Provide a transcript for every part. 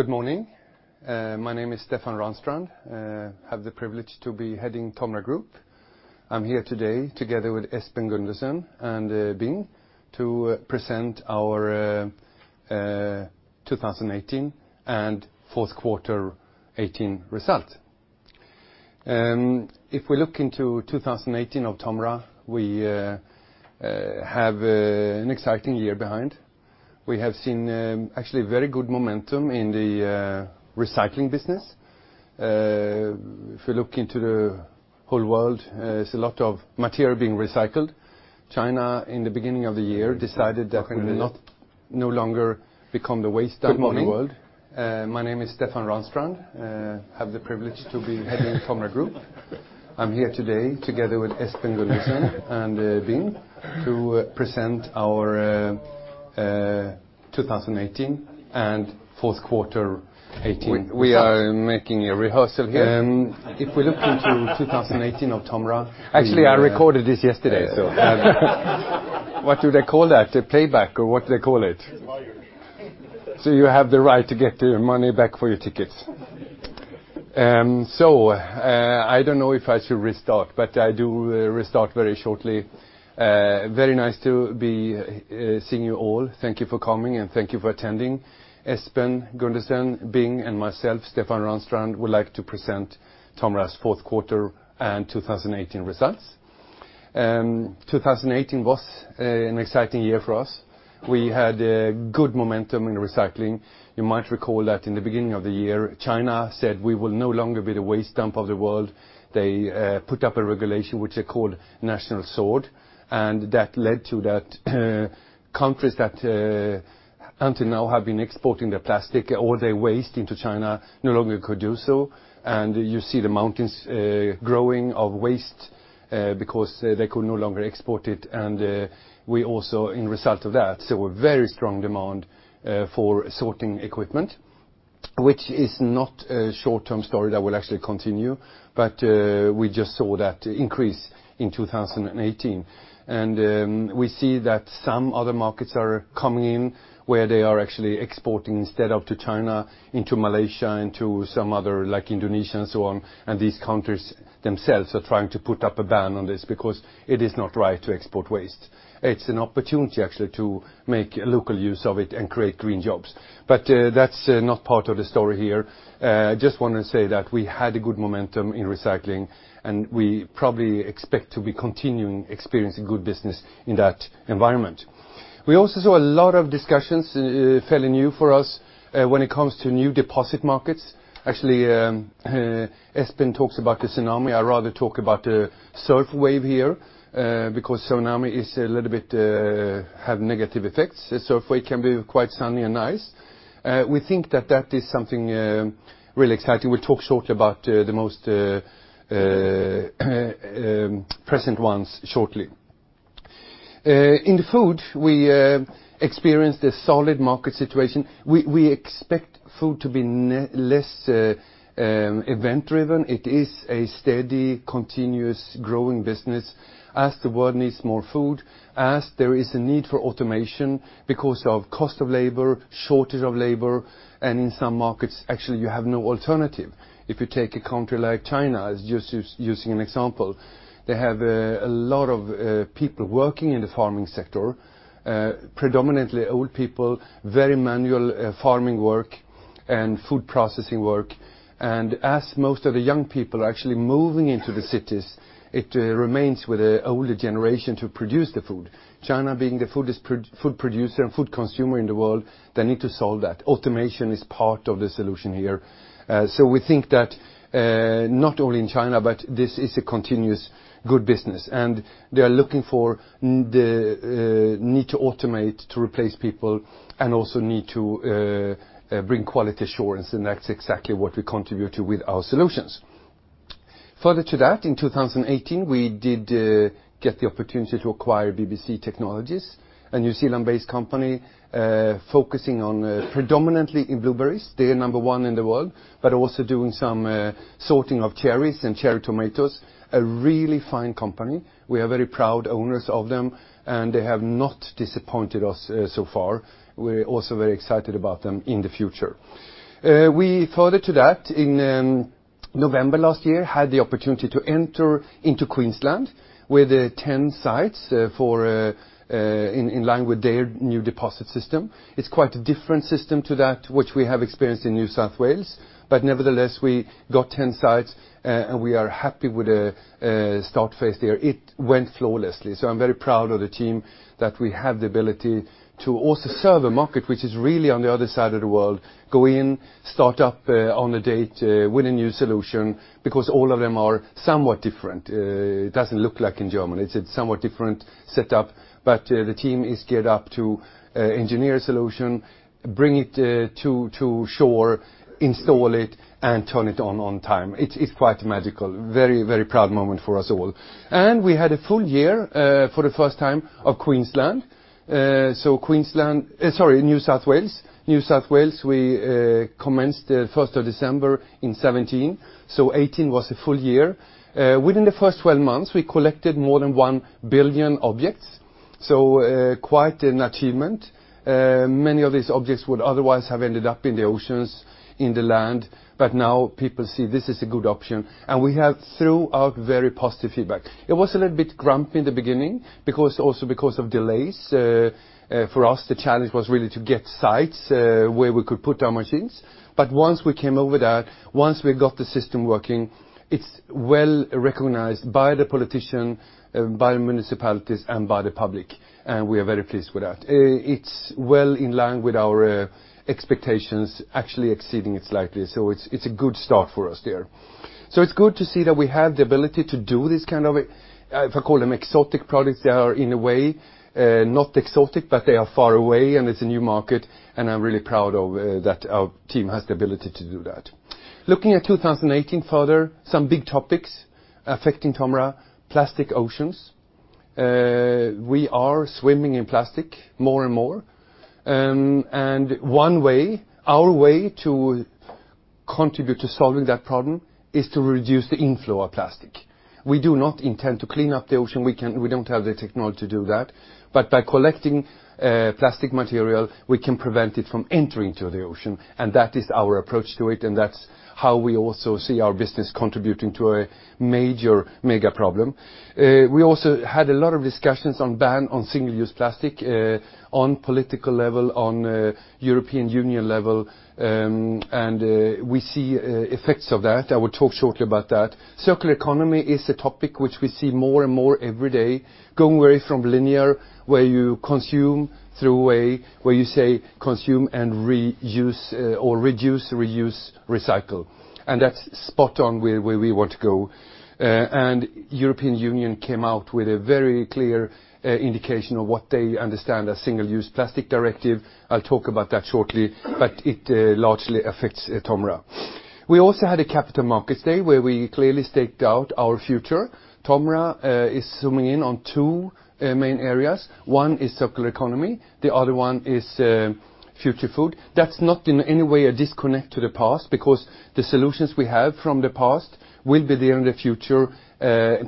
Good morning. My name is Stefan Ranstrand. I have the privilege to be heading Tomra Group. I am here today together with Espen Gundersen and Bing to present our 2018 and fourth quarter 2018 result. If we look into 2018 of Tomra, we have an exciting year behind. We have seen actually very good momentum in the recycling business. If you look into the whole world, there is a lot of material being recycled. China, in the beginning of the year, decided that they will no longer become the waste dump of the world. Good morning. My name is Stefan Ranstrand. I have the privilege to be heading Tomra Group. I am here today together with Espen Gundersen and Bing to present our 2018 and fourth quarter 2018 result. We are making a rehearsal here. If we look into 2018 of Tomra. Actually, I recorded this yesterday, so. What do they call that? A playback, or what do they call it? Just hired. You have the right to get your money back for your tickets. I don't know if I should restart, but I do restart very shortly. Very nice to be seeing you all. Thank you for coming, and thank you for attending. Espen Gundersen, Bing, and myself, Stefan Ranstrand, would like to present Tomra's fourth quarter and 2018 results. 2018 was an exciting year for us. We had good momentum in recycling. You might recall that in the beginning of the year, China said, "We will no longer be the waste dump of the world." They put up a regulation, which they called National Sword, and that led to that countries that until now have been exporting their plastic or their waste into China no longer could do so. You see the mountains growing of waste because they could no longer export it. We also, in result of that, saw a very strong demand for sorting equipment, which is not a short-term story that will actually continue. We just saw that increase in 2018. We see that some other markets are coming in, where they are actually exporting instead of to China, into Malaysia and to some other, like Indonesia and so on. These countries themselves are trying to put up a ban on this because it is not right to export waste. It's an opportunity, actually, to make local use of it and create green jobs. That's not part of the story here. I just want to say that we had a good momentum in recycling, and we probably expect to be continuing experiencing good business in that environment. We also saw a lot of discussions, fairly new for us, when it comes to new deposit markets. Actually, Espen talks about a tsunami. I rather talk about a surf wave here, because tsunami is a little bit, have negative effects. A surf wave can be quite sunny and nice. We think that that is something really exciting. We'll talk shortly about the most present ones shortly. In food, we experienced a solid market situation. We expect food to be less event-driven. It is a steady, continuous growing business as the world needs more food, as there is a need for automation because of cost of labor, shortage of labor, and in some markets, actually, you have no alternative. If you take a country like China, as just using an example, they have a lot of people working in the farming sector, predominantly old people, very manual farming work and food processing work. As most of the young people are actually moving into the cities, it remains with the older generation to produce the food. China being the food producer and food consumer in the world, they need to solve that. Automation is part of the solution here. We think that not only in China, but this is a continuous good business, and they are looking for the need to automate, to replace people, and also need to bring quality assurance. That's exactly what we contribute to with our solutions. Further to that, in 2018, we did get the opportunity to acquire BBC Technologies, a New Zealand-based company focusing on predominantly in blueberries. They are number 1 in the world, but also doing some sorting of cherries and cherry tomatoes. It is a really fine company. We are very proud owners of them. They have not disappointed us so far. We're also very excited about them in the future. We, further to that, in November last year, had the opportunity to enter into Queensland with 10 sites in line with their new deposit system. It's quite a different system to that which we have experienced in New South Wales. Nevertheless, we got 10 sites. We are happy with the start phase there. It went flawlessly. I'm very proud of the team, that we have the ability to also serve a market which is really on the other side of the world, go in, start up on a date with a new solution, because all of them are somewhat different. It doesn't look like in Germany. It's a somewhat different setup, but the team is geared up to engineer a solution, bring it to shore, install it, and turn it on on time. It's quite magical. Very proud moment for us all. We had a full year for the first time of Queensland. New South Wales. New South Wales, we commenced the 1st of December in 2017, so 2018 was a full year. Within the first 12 months, we collected more than 1 billion objects. Quite an achievement. Many of these objects would otherwise have ended up in the oceans, in the land. Now people see this is a good option, and we have throughout, very positive feedback. It was a little bit grumpy in the beginning, also because of delays. For us, the challenge was really to get sites where we could put our machines. Once we came over that, once we got the system working, it's well-recognized by the politician, by municipalities, and by the public, and we are very pleased with that. It's well in line with our expectations, actually exceeding it slightly. It's a good start for us there. It's good to see that we have the ability to do this kind of, if I call them exotic products, they are in a way not exotic, but they are far away, and it's a new market, and I'm really proud of that. Our team has the ability to do that. Looking at 2018 further, some big topics affecting Tomra, plastic oceans. We are swimming in plastic more and more. One way, our way to contribute to solving that problem is to reduce the inflow of plastic. We do not intend to clean up the ocean. We don't have the technology to do that. By collecting plastic material, we can prevent it from entering to the ocean, and that is our approach to it, and that's how we also see our business contributing to a major mega problem. We also had a lot of discussions on ban on single-use plastic, on political level, on European Union level, and we see effects of that. I will talk shortly about that. circular economy is a topic which we see more and more every day, going away from linear, where you consume, throw away. Where you say consume and reuse, or reduce, reuse, recycle, and that's spot on where we want to go. European Union came out with a very clear indication of what they understand as Single-Use Plastics Directive. I'll talk about that shortly. It largely affects Tomra. We also had a Capital Markets Day where we clearly staked out our future. Tomra is zooming in on two main areas. One is circular economy, the other one is future food. That's not in any way a disconnect to the past, because the solutions we have from the past will be there in the future,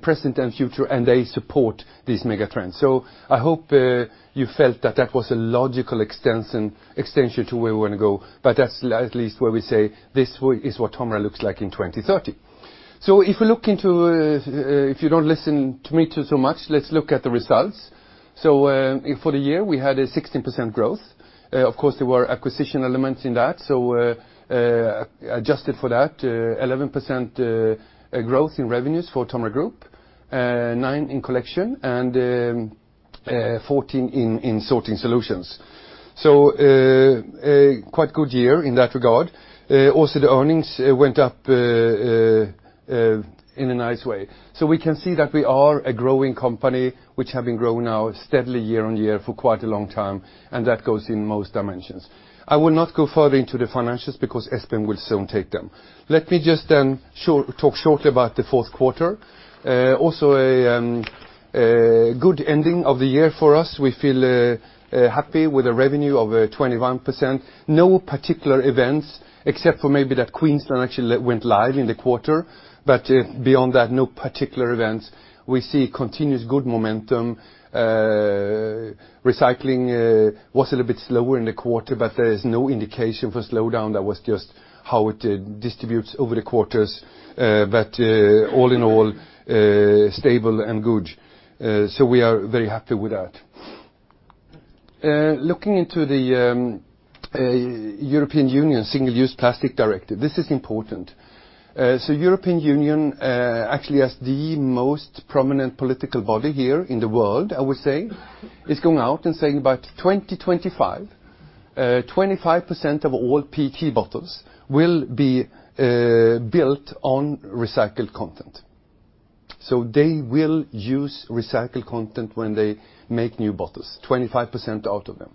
present and future, and they support this mega trend. I hope you felt that that was a logical extension to where we want to go. That's at least where we say, this is what Tomra looks like in 2030. If you don't listen to me too so much, let's look at the results. For the year, we had a 16% growth. Of course, there were acquisition elements in that, so adjusted for that, 11% growth in revenues for Tomra Group, nine% in collection, and 14% in sorting solutions. Quite a good year in that regard. Also, the earnings went up in a nice way. We can see that we are a growing company which have been growing now steadily year-on-year for quite a long time, and that goes in most dimensions. I will not go further into the financials because Espen will soon take them. Let me just talk shortly about the fourth quarter. Also a good ending of the year for us. We feel happy with a revenue of 21%. No particular events except for maybe that Queensland actually went live in the quarter. Beyond that, no particular events. We see continuous good momentum. Recycling was a little bit slower in the quarter, but there is no indication for slowdown. That was just how it distributes over the quarters. All in all, stable and good. We are very happy with that. Looking into the European Union Single-Use Plastics Directive, this is important. European Union, actually as the most prominent political body here in the world, I would say, is going out and saying by 2025, 25% of all PET bottles will be built on recycled content. They will use recycled content when they make new bottles, 25% out of them.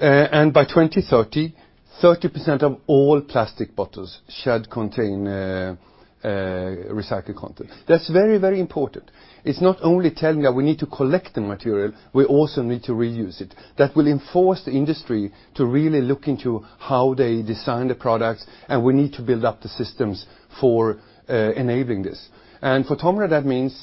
By 2030, 30% of all plastic bottles should contain recycled content. That's very, very important. It's not only telling that we need to collect the material, we also need to reuse it. That will enforce the industry to really look into how they design the products, and we need to build up the systems for enabling this. For Tomra, that means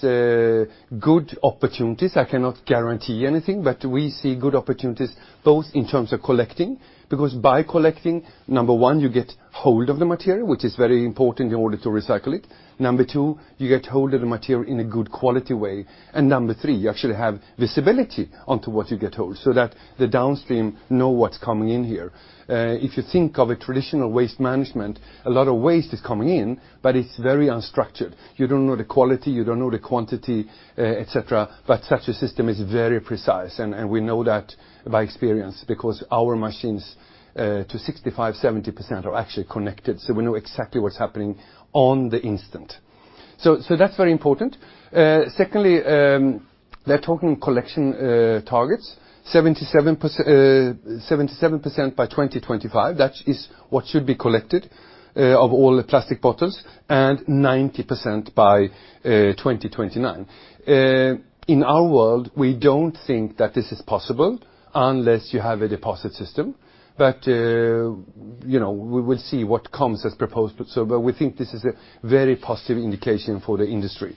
good opportunities. I cannot guarantee anything. We see good opportunities both in terms of collecting, because by collecting, number 1, you get hold of the material, which is very important in order to recycle it. Number 2, you get hold of the material in a good quality way. And number 3, you actually have visibility onto what you get hold, so that the downstream know what's coming in here. If you think of a traditional waste management, a lot of waste is coming in, but it's very unstructured. You don't know the quality, you don't know the quantity, et cetera. Such a system is very precise, and we know that by experience, because our machines, to 65%-70%, are actually connected, so we know exactly what's happening on the instant. That's very important. Secondly, they're talking collection targets, 77% by 2025. That is what should be collected of all the plastic bottles, and 90% by 2029. In our world, we don't think that this is possible unless you have a deposit system. We will see what comes as proposed, but we think this is a very positive indication for the industry.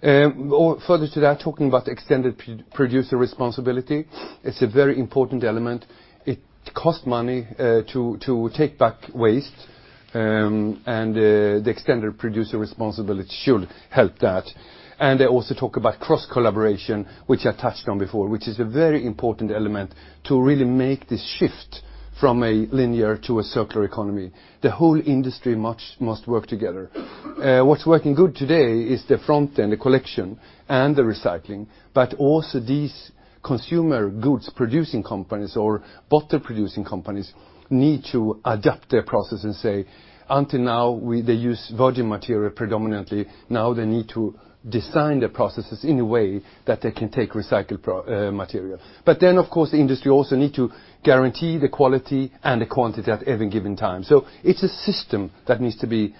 Further to that, talking about Extended Producer Responsibility, it's a very important element. It costs money to take back waste, and the Extended Producer Responsibility should help that. They also talk about cross-collaboration, which I touched on before, which is a very important element to really make this shift from a linear to a circular economy. The whole industry must work together. What's working good today is the front end, the collection and the recycling, but also these consumer goods producing companies or bottle producing companies need to adapt their process and say, until now, they used virgin material predominantly. Now they need to design their processes in a way that they can take recycled material. Of course, the industry also need to guarantee the quality and the quantity at any given time. It's a system that needs to be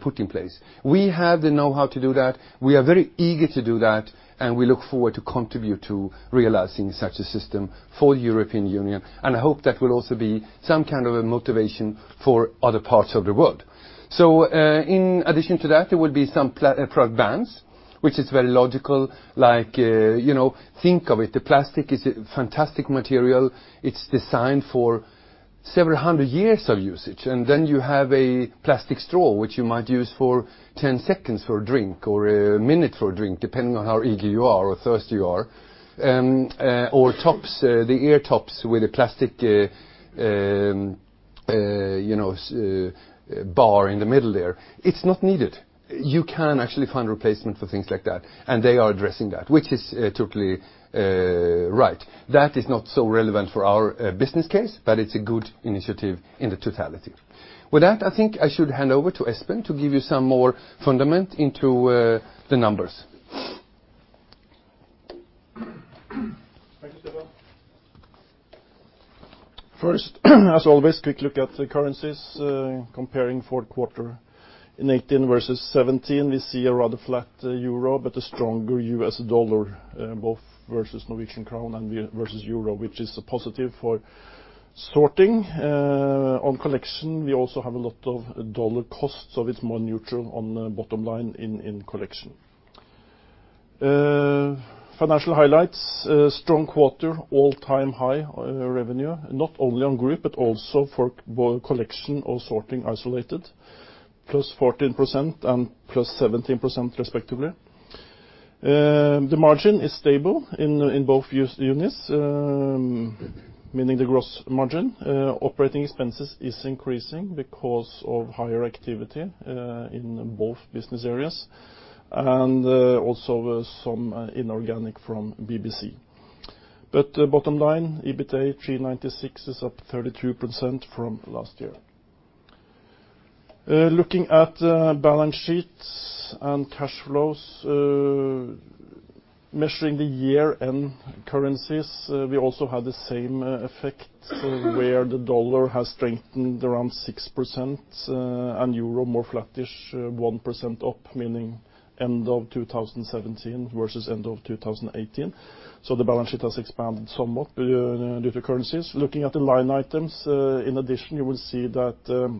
put in place. We have the know-how to do that. We are very eager to do that, and we look forward to contribute to realizing such a system for the European Union, and I hope that will also be some kind of a motivation for other parts of the world. In addition to that, there will be some product bans, which is very logical. Think of it, the plastic is a fantastic material. It's designed for several hundred years of usage. You have a plastic straw, which you might use for 10 seconds for a drink or a minute for a drink, depending on how eager you are or thirsty you are. The ear tops with a plastic bar in the middle there. It's not needed. You can actually find replacement for things like that, and they are addressing that, which is totally right. That is not so relevant for our business case, but it's a good initiative in the totality. With that, I think I should hand over to Espen to give you some more fundament into the numbers. Thank you, Stefan. First, as always, quick look at the currencies, comparing fourth quarter in 2018 versus 2017. We see a rather flat EUR, but a stronger USD, both versus NOK and versus EUR, which is a positive for sorting. On TOMRA Collection, we also have a lot of USD costs, it's more neutral on the bottom line in TOMRA Collection. Financial highlights, strong quarter, all-time high revenue, not only on group, but also for both TOMRA Collection or sorting isolated, +14% and +17% respectively. The margin is stable in both units, meaning the gross margin. Operating expenses is increasing because of higher activity in both business areas, and also some inorganic from BBC. Bottom line, EBITDA 396 is up 32% from last year. Looking at balance sheets and cash flows, measuring the year-end currencies, we also have the same effect where the USD has strengthened around 6% and EUR more flat-ish, 1% up, meaning end of 2017 versus end of 2018. The balance sheet has expanded somewhat due to currencies. Looking at the line items, in addition, you will see that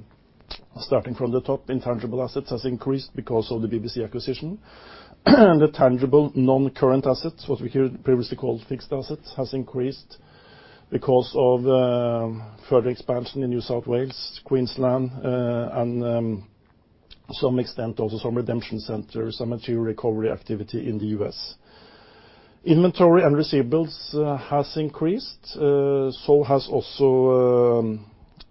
starting from the top, intangible assets has increased because of the BBC acquisition. The tangible non-current assets, what we previously called fixed assets, has increased because of further expansion in New South Wales, Queensland, and some extent also some redemption centers, some material recovery activity in the U.S. Inventory and receivables has increased, so has also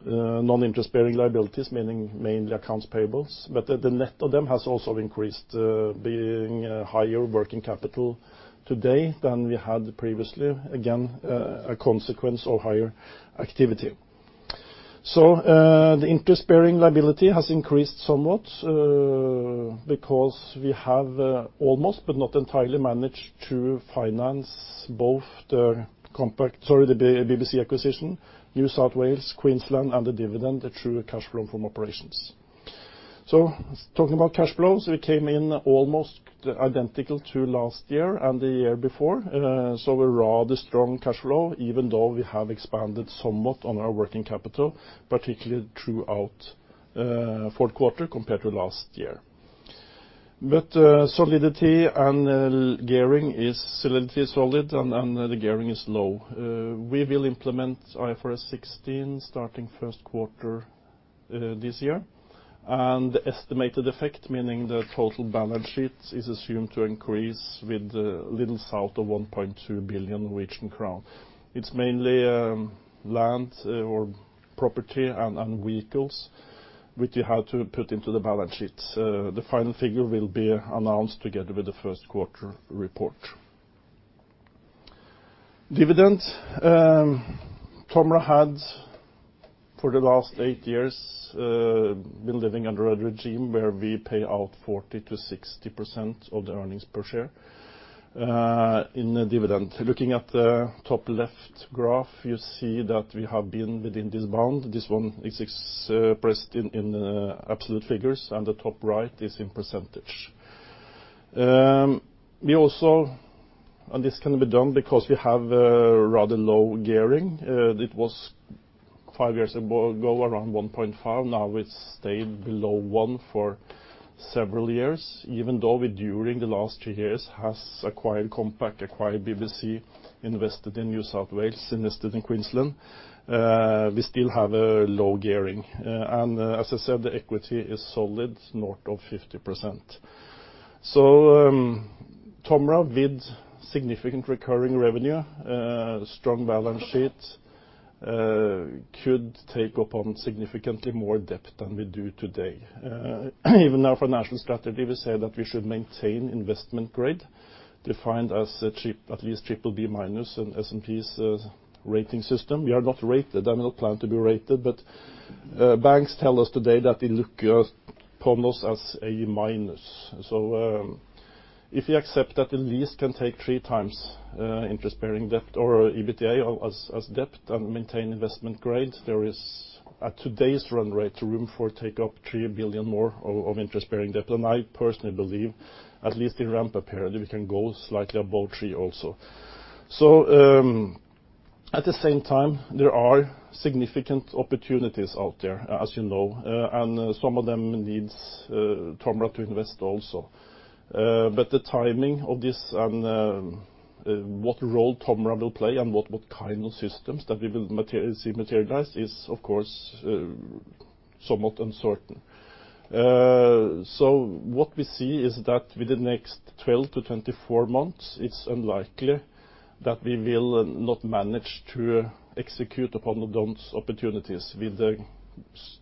non-interest-bearing liabilities, meaning mainly accounts payables, but the net of them has also increased, being higher working capital today than we had previously. Again, a consequence of higher activity. The interest-bearing liability has increased somewhat because we have almost, but not entirely, managed to finance both the BBC acquisition, New South Wales, Queensland, and the dividend through cash flow from operations. Talking about cash flows, we came in almost identical to last year and the year before. Saw a rather strong cash flow, even though we have expanded somewhat on our working capital, particularly throughout fourth quarter compared to last year. Solidity and gearing is solid and the gearing is low. We will implement IFRS 16 starting first quarter this year, and the estimated effect, meaning the total balance sheet, is assumed to increase with little south of 1.2 billion Norwegian crown. It's mainly land or property and vehicles which you have to put into the balance sheet. The final figure will be announced together with the first quarter report. Dividend. Tomra had, for the last 8 years, been living under a regime where we pay out 40%-60% of the earnings per share in dividend. Looking at the top left graph, you see that we have been within this bound. This one is expressed in absolute figures, and the top right is in %. We also, this can be done because we have a rather low gearing. It was 5 years ago, around 1.5. Now it's stayed below 1 for several years, even though we during the last 2 years have acquired Compac, acquired BBC, invested in New South Wales, invested in Queensland. We still have a low gearing. As I said, the equity is solid, north of 50%. Tomra, with significant recurring revenue, strong balance sheet, could take up significantly more debt than we do today. Even now for national strategy, we say that we should maintain investment grade, defined as at least BBB- in S&P's rating system. We are not rated and we don't plan to be rated, but banks tell us today that they look upon us as A-. If we accept that at least can take 3 times interest-bearing debt or EBITDA as debt and maintain investment grade, there is, at today's run rate, room for take up 3 billion more of interest-bearing debt. I personally believe at least in ramp up here that we can go slightly above 3 also. At the same time, there are significant opportunities out there, as you know, and some of them needs Tomra to invest also. The timing of this and what role Tomra will play and what kind of systems that we will see materialize is, of course, somewhat uncertain. What we see is that within the next 12-24 months, it's unlikely that we will not manage to execute upon those opportunities with the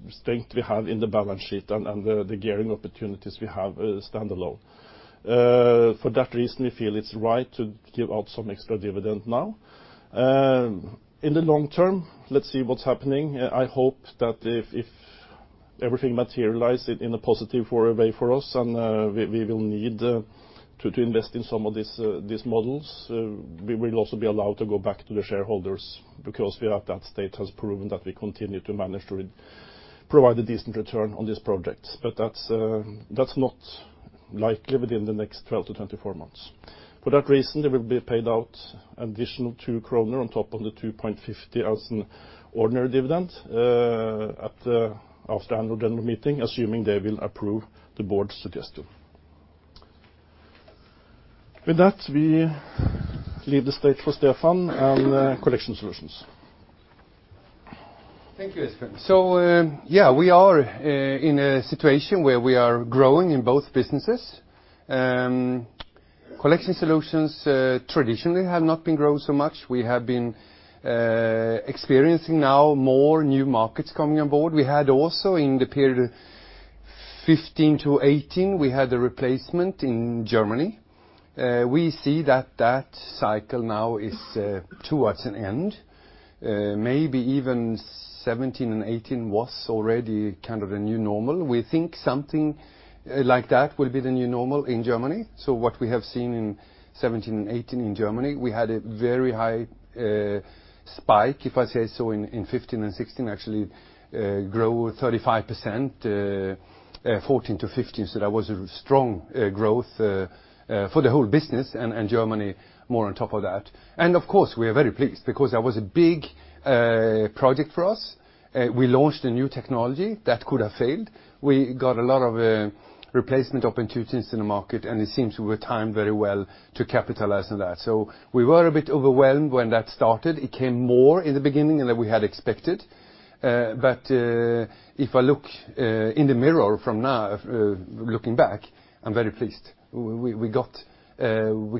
strength we have in the balance sheet and the gearing opportunities we have standalone. For that reason, we feel it's right to give out some extra dividend now. In the long term, let's see what's happening. I hope that if everything materialize in a positive way for us and we will need to invest in some of these models, we will also be allowed to go back to the shareholders because we are at that state has proven that we continue to manage to provide a decent return on these projects. That's not likely within the next 12 to 24 months. For that reason, there will be paid out an additional 2 kroner on top of the 2.50 as an ordinary dividend at the after annual general meeting, assuming they will approve the board's suggestion. With that, we leave the stage for Stefan and TOMRA Collection. Thank you, Espen. We are in a situation where we are growing in both businesses. TOMRA Collection traditionally have not been growing so much. We have been experiencing now more new markets coming on board. We had also in the period 2015 to 2018, we had a replacement in Germany. We see that cycle now is towards an end. Maybe even 2017 and 2018 was already kind of the new normal. We think something like that will be the new normal in Germany. What we have seen in 2017 and 2018 in Germany, we had a very high spike, if I say so, in 2015 and 2016, actually grew 35%, 2014 to 2015. That was a strong growth for the whole business and Germany more on top of that. Of course, we are very pleased because that was a big project for us. We launched a new technology that could have failed. We got a lot of replacement opportunities in the market, it seems we were timed very well to capitalize on that. We were a bit overwhelmed when that started. It came more in the beginning than we had expected. If I look in the mirror from now, looking back, I'm very pleased. We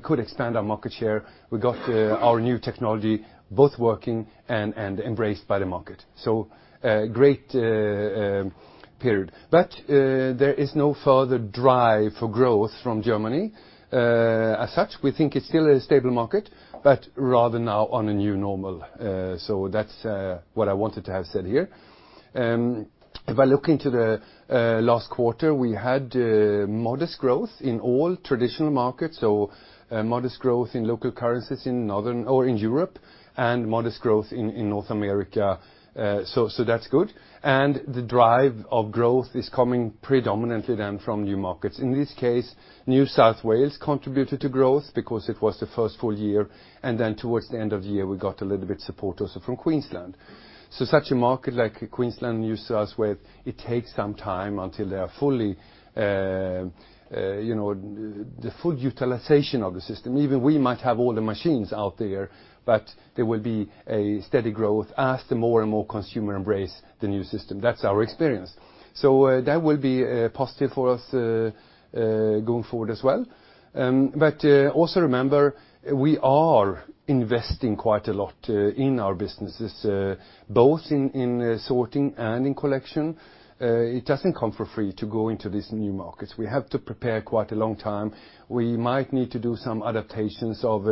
could expand our market share. We got our new technology both working and embraced by the market. A great period. There is no further drive for growth from Germany. As such, we think it's still a stable market, but rather now on a new normal. That's what I wanted to have said here. If I look into the last quarter, we had modest growth in all traditional markets, modest growth in local currencies in Northern Europe and modest growth in North America. That's good. The drive of growth is coming predominantly then from new markets. In this case, New South Wales contributed to growth because it was the first full year, and then towards the end of the year, we got a little bit support also from Queensland. Such a market like Queensland, New South Wales, it takes some time until they are the full utilization of the system. Even we might have all the machines out there, but there will be a steady growth as the more and more consumer embrace the new system. That's our experience. That will be positive for us, going forward as well. Also remember, we are investing quite a lot in our businesses, both in sorting and in collection. It doesn't come for free to go into these new markets. We have to prepare quite a long time. We might need to do some adaptations of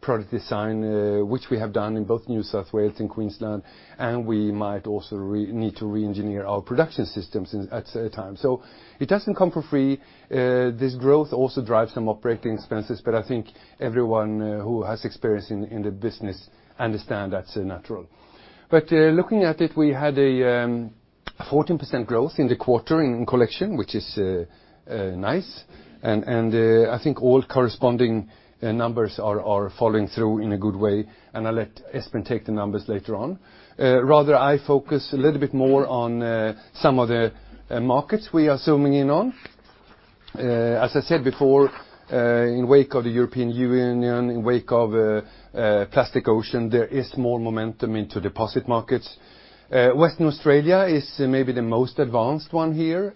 product design, which we have done in both New South Wales and Queensland, and we might also need to re-engineer our production systems at a time. It doesn't come for free. This growth also drives some operating expenses, but I think everyone who has experience in the business understand that's natural. Looking at it, we had a 14% growth in the quarter in collection, which is nice. I think all corresponding numbers are following through in a good way, and I'll let Espen take the numbers later on. I focus a little bit more on some of the markets we are zooming in on. As I said before, in wake of the European Union, in wake of plastic ocean, there is more momentum into deposit markets. Western Australia is maybe the most advanced one here.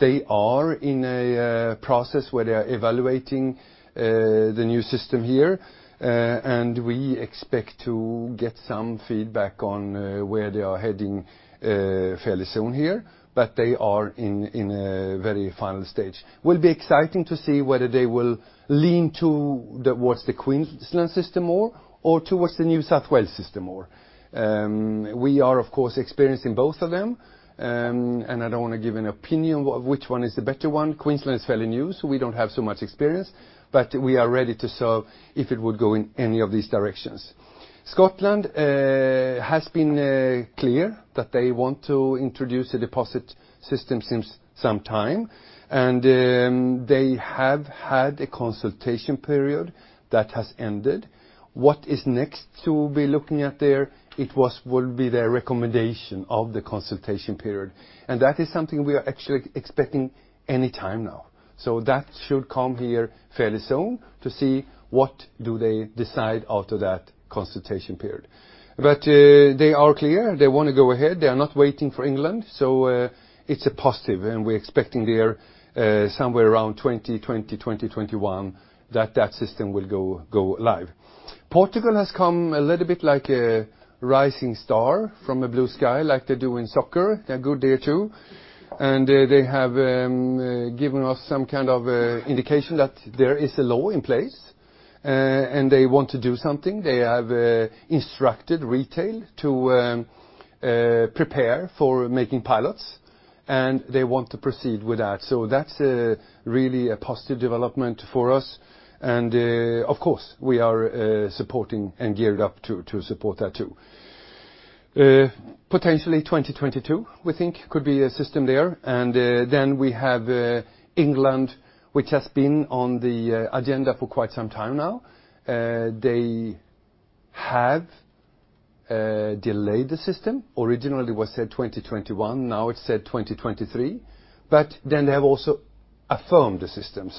They are in a process where they are evaluating the new system here, and we expect to get some feedback on where they are heading fairly soon here. They are in a very final stage. Will be exciting to see whether they will lean towards the Queensland system more or towards the New South Wales system more. We are, of course, experienced in both of them, I don't want to give an opinion of which one is the better one. Queensland is fairly new, we don't have so much experience, but we are ready to serve if it would go in any of these directions. Scotland has been clear that they want to introduce a deposit system since some time, they have had a consultation period that has ended. What is next to be looking at there? It will be the recommendation of the consultation period, and that is something we are actually expecting any time now. That should come here fairly soon to see what do they decide after that consultation period. They are clear they want to go ahead. They are not waiting for England, it's a positive, and we're expecting there somewhere around 2020, 2021 that system will go live. Portugal has come a little bit like a rising star from a blue sky like they do in soccer. They're good there, too. They have given us some kind of indication that there is a law in place, they want to do something. They have instructed retail to prepare for making pilots, they want to proceed with that. That's really a positive development for us. Of course, we are supporting and geared up to support that, too. Potentially 2022, we think, could be a system there. We have England, which has been on the agenda for quite some time now. They have delayed the system. Originally was set 2021. Now it's set 2023, but they have also affirmed the system,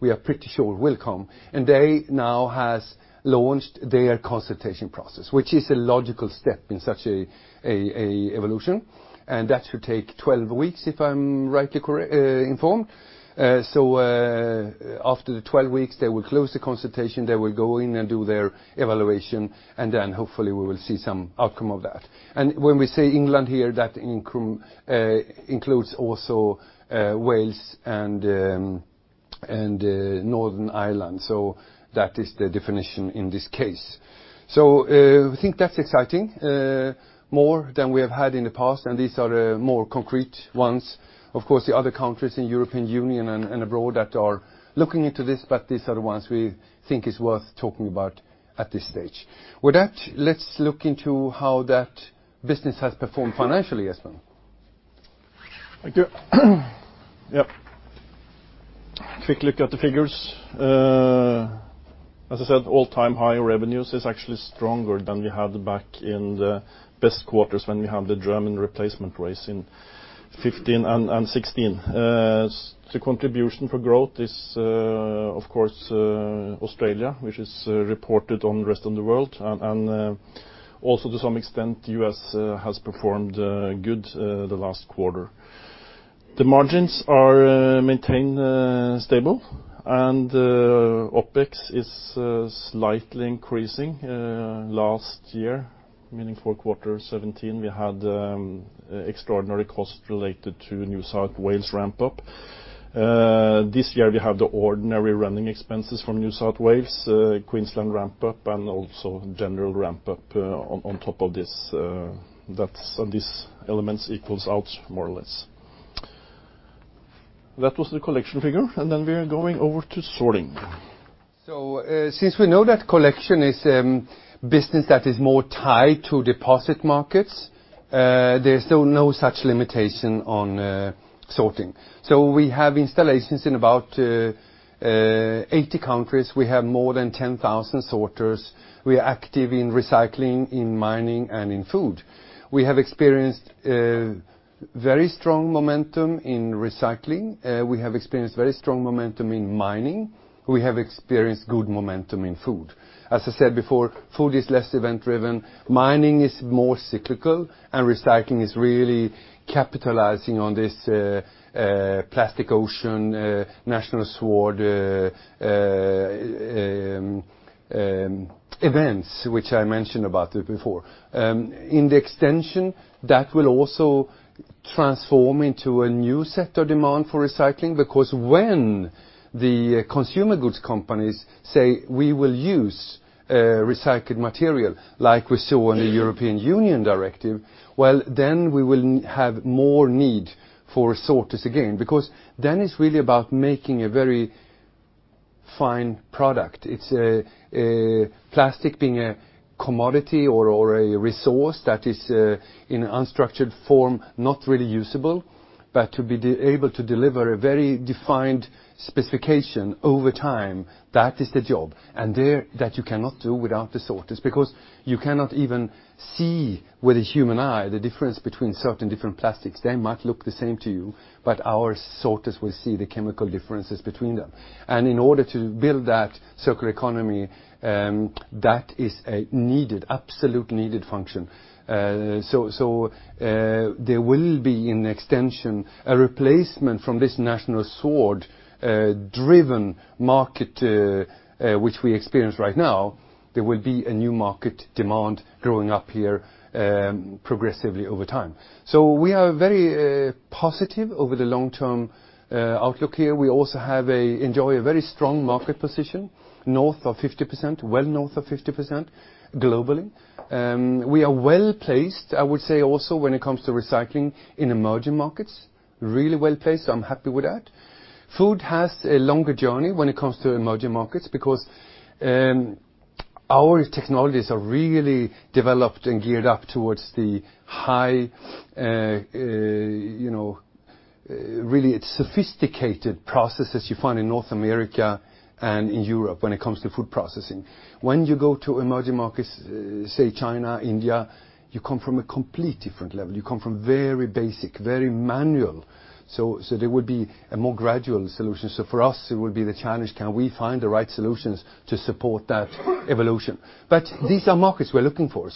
we are pretty sure it will come. They now has launched their consultation process, which is a logical step in such a evolution, that should take 12 weeks if I'm rightly informed. After the 12 weeks, they will close the consultation. They will go in and do their evaluation, and then hopefully we will see some outcome of that. When we say England here, that includes also Wales and Northern Ireland. That is the definition in this case. We think that's exciting. More than we have had in the past, and these are more concrete ones. Of course, the other countries in European Union and abroad that are looking into this, but these are the ones we think is worth talking about at this stage. With that, let's look into how that business has performed financially, Espen. Thank you. Quick look at the figures. As I said, all-time high revenues is actually stronger than we had back in the best quarters when we had the German replacement race in 2015 and 2016. The contribution for growth is, of course, Australia, which is reported on the rest of the world, and also to some extent, the U.S. has performed good the last quarter. OpEx is slightly increasing. Last year, meaning for quarter 2017, we had extraordinary costs related to New South Wales ramp up. This year we have the ordinary running expenses from New South Wales, Queensland ramp up, also general ramp up on top of this. These elements equals out more or less. That was the collection figure. Then we are going over to sorting. Since we know that collection is business that is more tied to deposit markets, there's still no such limitation on sorting. We have installations in about 80 countries. We have more than 10,000 sorters. We are active in recycling, in mining, and in food. We have experienced very strong momentum in recycling. We have experienced very strong momentum in mining. We have experienced good momentum in food. As I said before, food is less event driven, mining is more cyclical, and recycling is really capitalizing on this plastic ocean, National Sword events, which I mentioned about it before. In the extension, that will also transform into a new set of demand for recycling because when the consumer goods companies say we will use recycled material like we saw in the European Union directive, then we will have more need for sorters again because then it's really about making a very fine product. Plastic being a commodity or a resource that is in unstructured form, not really usable, but to be able to deliver a very defined specification over time, that is the job. That you cannot do without the sorters, because you cannot even see with a human eye the difference between certain different plastics. They might look the same to you, but our sorters will see the chemical differences between them. In order to build that circular economy, that is a absolute needed function. There will be, in extension, a replacement from this National Sword-driven market, which we experience right now. There will be a new market demand growing up here progressively over time. We are very positive over the long-term outlook here. We also enjoy a very strong market position, well north of 50% globally. We are well-placed, I would say also, when it comes to recycling in emerging markets. Really well-placed. I am happy with that. Food has a longer journey when it comes to emerging markets because our technologies are really developed and geared up towards the high, really sophisticated processes you find in North America and in Europe when it comes to food processing. When you go to emerging markets, say China, India, you come from a complete different level. You come from very basic, very manual. There would be a more gradual solution. For us, it would be the challenge, can we find the right solutions to support that evolution? These are markets we are looking for.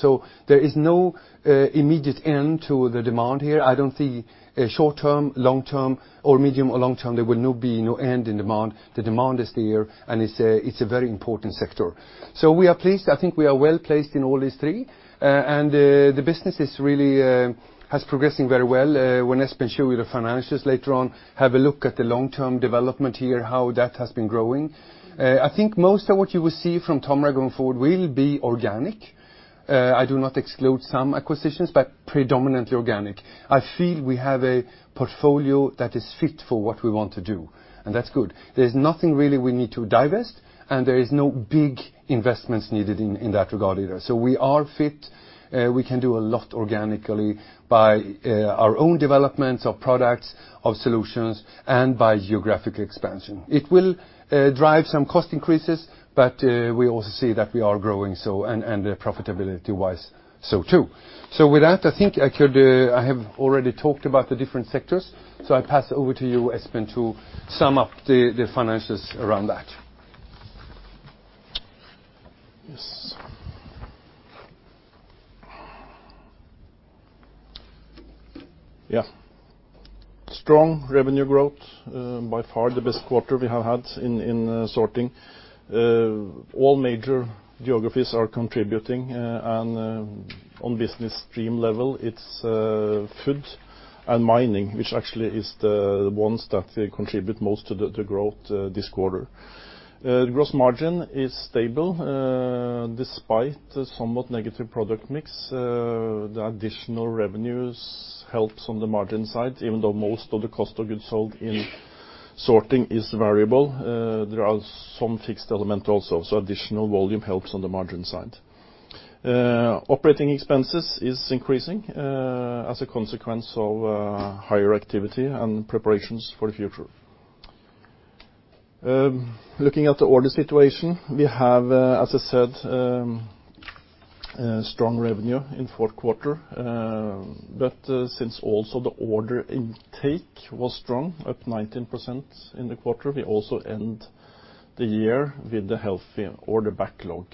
There is no immediate end to the demand here. I do not see a short term, long term, or medium or long term, there will no be no end in demand. The demand is there, and it is a very important sector. We are pleased. I think we are well-placed in all these three, and the business really has progressing very well. When Espen show you the financials later on, have a look at the long-term development here, how that has been growing. I think most of what you will see from Tomra going forward will be organic. I do not exclude some acquisitions, but predominantly organic. I feel we have a portfolio that is fit for what we want to do, and that is good. There is nothing really we need to divest, and there is no big investments needed in that regard either. We are fit. We can do a lot organically by our own development of products, of solutions, and by geographic expansion. It will drive some cost increases, but we also see that we are growing, and profitability-wise, so too. With that, I think I have already talked about the different sectors. I pass over to you, Espen, to sum up the financials around that. Yes. Yeah. Strong revenue growth. By far the best quarter we have had in sorting. All major geographies are contributing and on business stream level, it is food and mining, which actually is the ones that contribute most to the growth this quarter. Gross margin is stable, despite somewhat negative product mix. The additional revenues helps on the margin side, even though most of the cost of goods sold in sorting is variable. There are some fixed element also, additional volume helps on the margin side. Operating expenses is increasing as a consequence of higher activity and preparations for the future. Looking at the order situation, we have, as I said, strong revenue in fourth quarter. Since also the order intake was strong at 19% in the quarter, we also end the year with a healthy order backlog.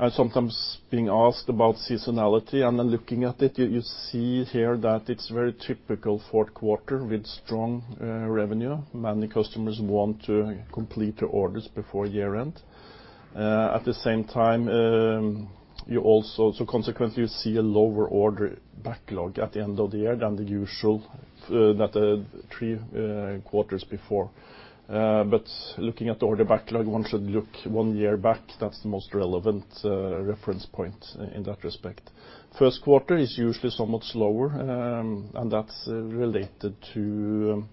I'm sometimes being asked about seasonality. Looking at it, you see here that it's very typical fourth quarter with strong revenue. Many customers want to complete orders before year-end. At the same time, consequently, you see a lower order backlog at the end of the year than the usual that three quarters before. Looking at the order backlog, one should look one year back. That's the most relevant reference point in that respect. First quarter is usually somewhat slower, and that's related to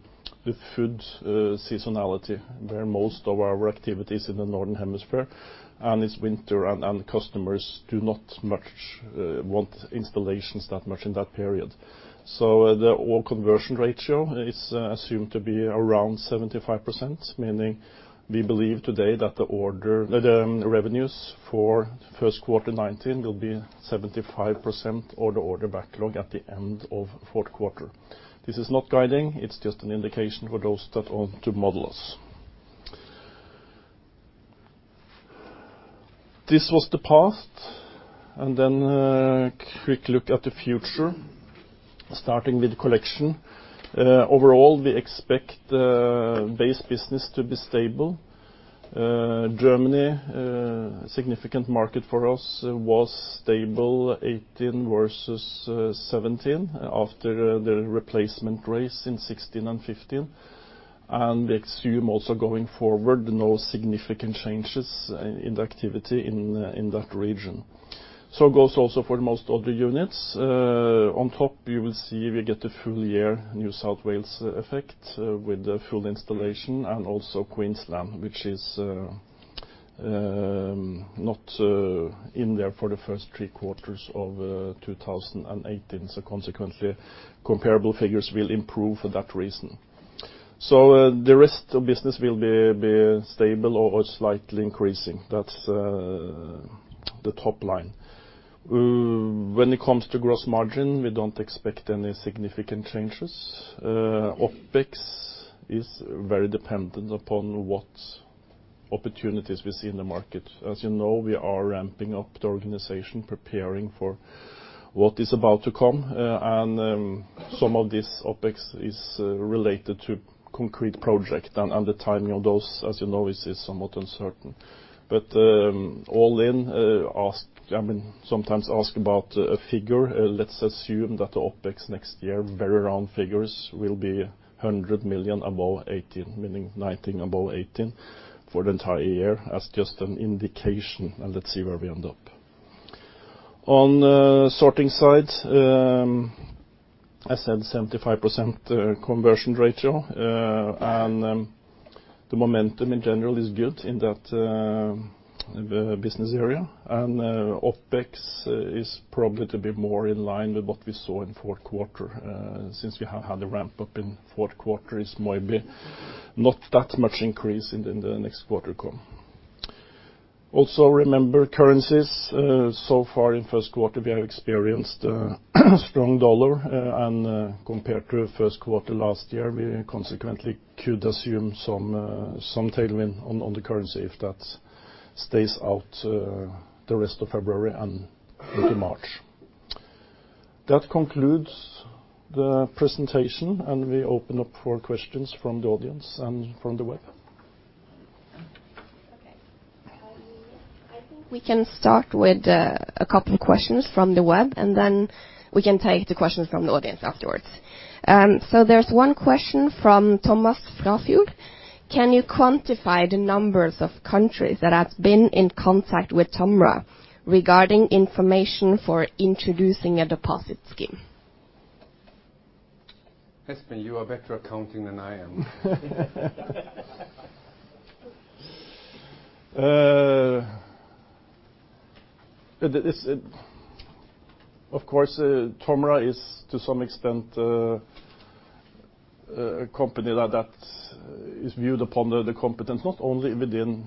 the food seasonality where most of our activity is in the Northern Hemisphere, and it's winter and customers do not want installations that much in that period. The overall conversion ratio is assumed to be around 75%, meaning we believe today that the revenues for first quarter 2019 will be 75% of the order backlog at the end of fourth quarter. This is not guiding. It's just an indication for those that want to model us. This was the past. A quick look at the future, starting with collection. Overall, we expect base business to be stable. Germany, a significant market for us, was stable 2018 versus 2017 after the replacement race in 2016 and 2015. They assume also going forward, no significant changes in the activity in that region. So it goes also for most of the units. On top, you will see we get the full year New South Wales effect with the full installation and also Queensland, which is not in there for the first three quarters of 2018. Consequently, comparable figures will improve for that reason. The rest of business will be stable or slightly increasing. That's the top line. When it comes to gross margin, we don't expect any significant changes. OpEx is very dependent upon what opportunities we see in the market. As you know, we are ramping up the organization, preparing for what is about to come, and some of this OpEx is related to concrete project, and the timing of those, as you know, is somewhat uncertain. All in, sometimes ask about a figure. Let's assume that the OpEx next year, very round figures, will be 100 million above 2018, meaning 2019 above 2018 for the entire year, as just an indication, and let's see where we end up. On the sorting side, I said 75% conversion ratio. The momentum in general is good in that business area. OpEx is probably to be more in line with what we saw in fourth quarter. Since we have had a ramp-up in fourth quarter, it's maybe not that much increase in the next quarter come. Also remember currencies. So far in first quarter, we have experienced a strong USD. Compared to first quarter last year, we consequently could assume some tailwind on the currency if that stays out the rest of February and into March. That concludes the presentation. We open up for questions from the audience and from the web. I think we can start with a couple of questions from the web, and then we can take the questions from the audience afterwards. There's one question from Thomas Grafjell. Can you quantify the numbers of countries that have been in contact with Tomra regarding information for introducing a deposit scheme? Espen, you are better at counting than I am. Of course, Tomra is, to some extent, a company that is viewed upon the competence not only within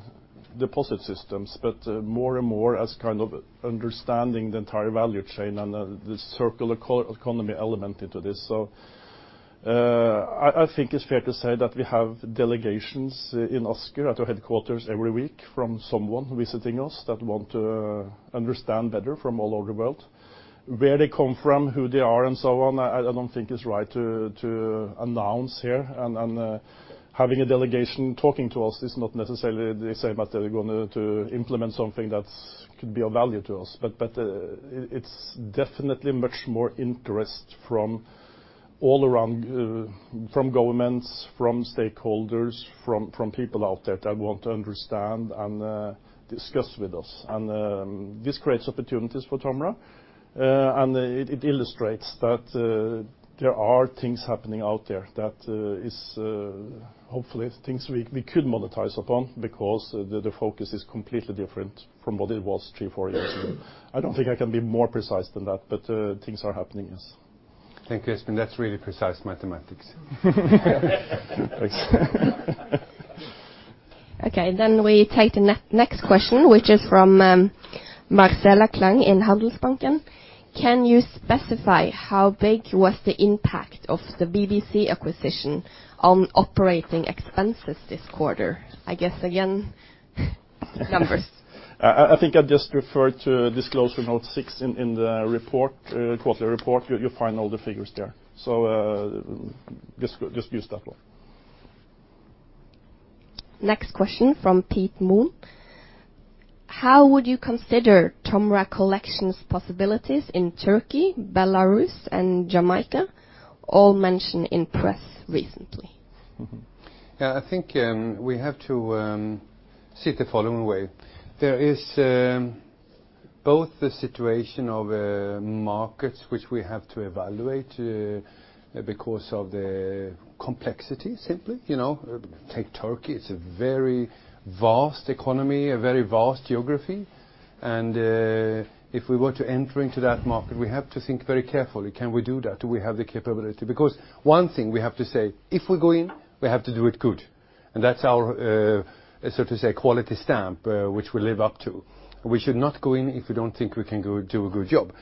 deposit systems, but more and more as kind of understanding the entire value chain and the circular economy element into this. I think it's fair to say that we have delegations in Asker, at our headquarters every week from someone visiting us that want to understand better from all over the world. Where they come from, who they are, and so on, I don't think it's right to announce here, and having a delegation talking to us is not necessarily the same as they're going to implement something that could be of value to us. It's definitely much more interest from all around, from governments, from stakeholders, from people out there that want to understand and discuss with us. This creates opportunities for Tomra, and it illustrates that there are things happening out there that is, hopefully, things we could monetize upon because the focus is completely different from what it was three, four years ago. I don't think I can be more precise than that, things are happening, yes. Thank you, Espen. That's really precise mathematics. Thanks. We take the next question, which is from Marcela Klang in Handelsbanken. Can you specify how big was the impact of the BBC acquisition on operating expenses this quarter? I guess, again, numbers. I think I'll just refer to disclosure note six in the report, quarterly report. You'll find all the figures there. Just use that one. Next question from Petter Nystrøm. How would you consider TOMRA Collection's possibilities in Turkey, Belarus, and Jamaica, all mentioned in press recently? I think we have to see it the following way. There is both the situation of markets which we have to evaluate because of the complexity, simply. Take Turkey, it's a very vast economy, a very vast geography. If we were to enter into that market, we have to think very carefully, can we do that? Do we have the capability? Because one thing we have to say, if we go in, we have to do it good, that's our, so to say, quality stamp, which we live up to. We should not go in if we don't think we can do a good job.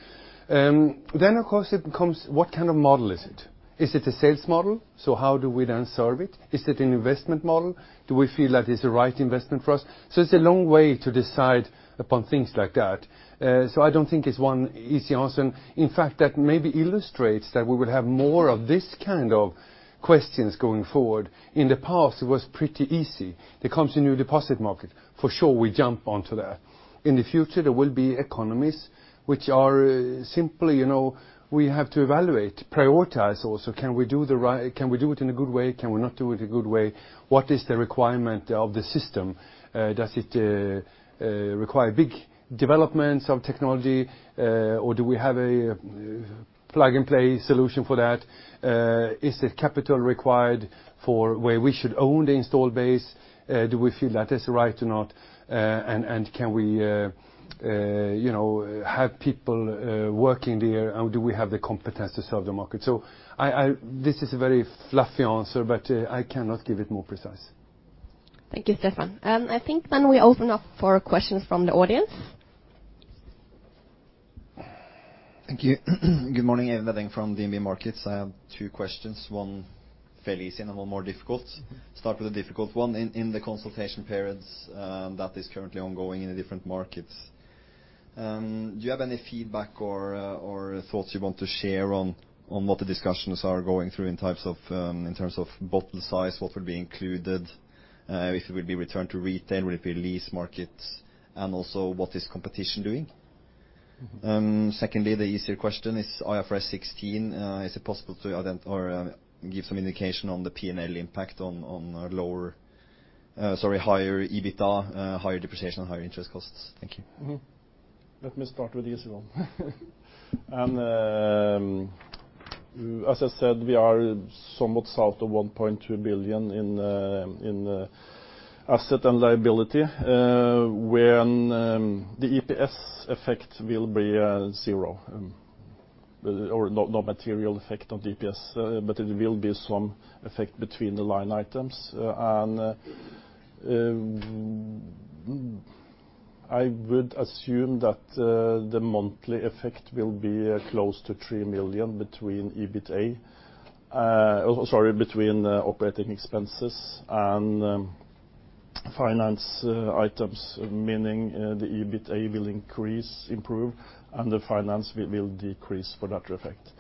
Of course, it becomes what kind of model is it? Is it a sales model? How do we then serve it? Is it an investment model? Do we feel that it's the right investment for us? It's a long way to decide upon things like that. I don't think it's one easy answer. In fact, that maybe illustrates that we will have more of this kind of questions going forward. In the past, it was pretty easy. There comes a new deposit market. For sure, we jump onto that. In the future, there will be economies which are simply, we have to evaluate, prioritize also. Can we do it in a good way? Can we not do it in a good way? What is the requirement of the system? Does it require big developments of technology? Do we have a plug-and-play solution for that. Is there capital required for where we should own the install base? Do we feel that is right or not? Can we have people working there, and do we have the competence to serve the market? This is a very fluffy answer, but I cannot give it more precise. Thank you, Stefan. I think then we open up for questions from the audience. Thank you. Good morning, Eivind Veddeng from DNB Markets. I have two questions. One fairly easy and one more difficult. Start with a difficult one. In the consultation periods that is currently ongoing in the different markets, do you have any feedback or thoughts you want to share on what the discussions are going through in terms of bottle size? What will be included, if it will be returned to retail, will it be lease markets, and also what is competition doing? Secondly, the easier question is IFRS 16, is it possible to or give some indication on the P&L impact on lower, sorry, higher EBITDA, higher depreciation, and higher interest costs? Thank you. Let me start with the easy one. As I said, we are somewhat south of 1.2 billion in asset and liability, when the EPS effect will be zero, or no material effect on EPS, but it will be some effect between the line items. I would assume that the monthly effect will be close to 3 million between EBITDA, sorry, between operating expenses and finance items, meaning the EBITDA will increase, improve, and the finance will decrease for that effect.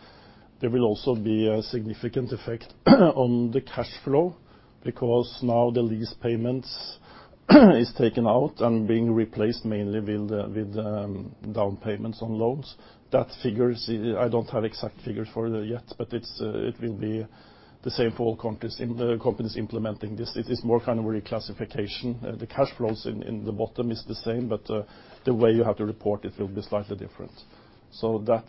There will also be a significant effect on the cash flow because now the lease payment is taken out and being replaced mainly with down payments on loans. That figure, I don't have exact figures for it yet, but it will be the same for all companies implementing this. It is more kind of reclassification. The cash flows in the bottom is the same, but the way you have to report it will be slightly different. That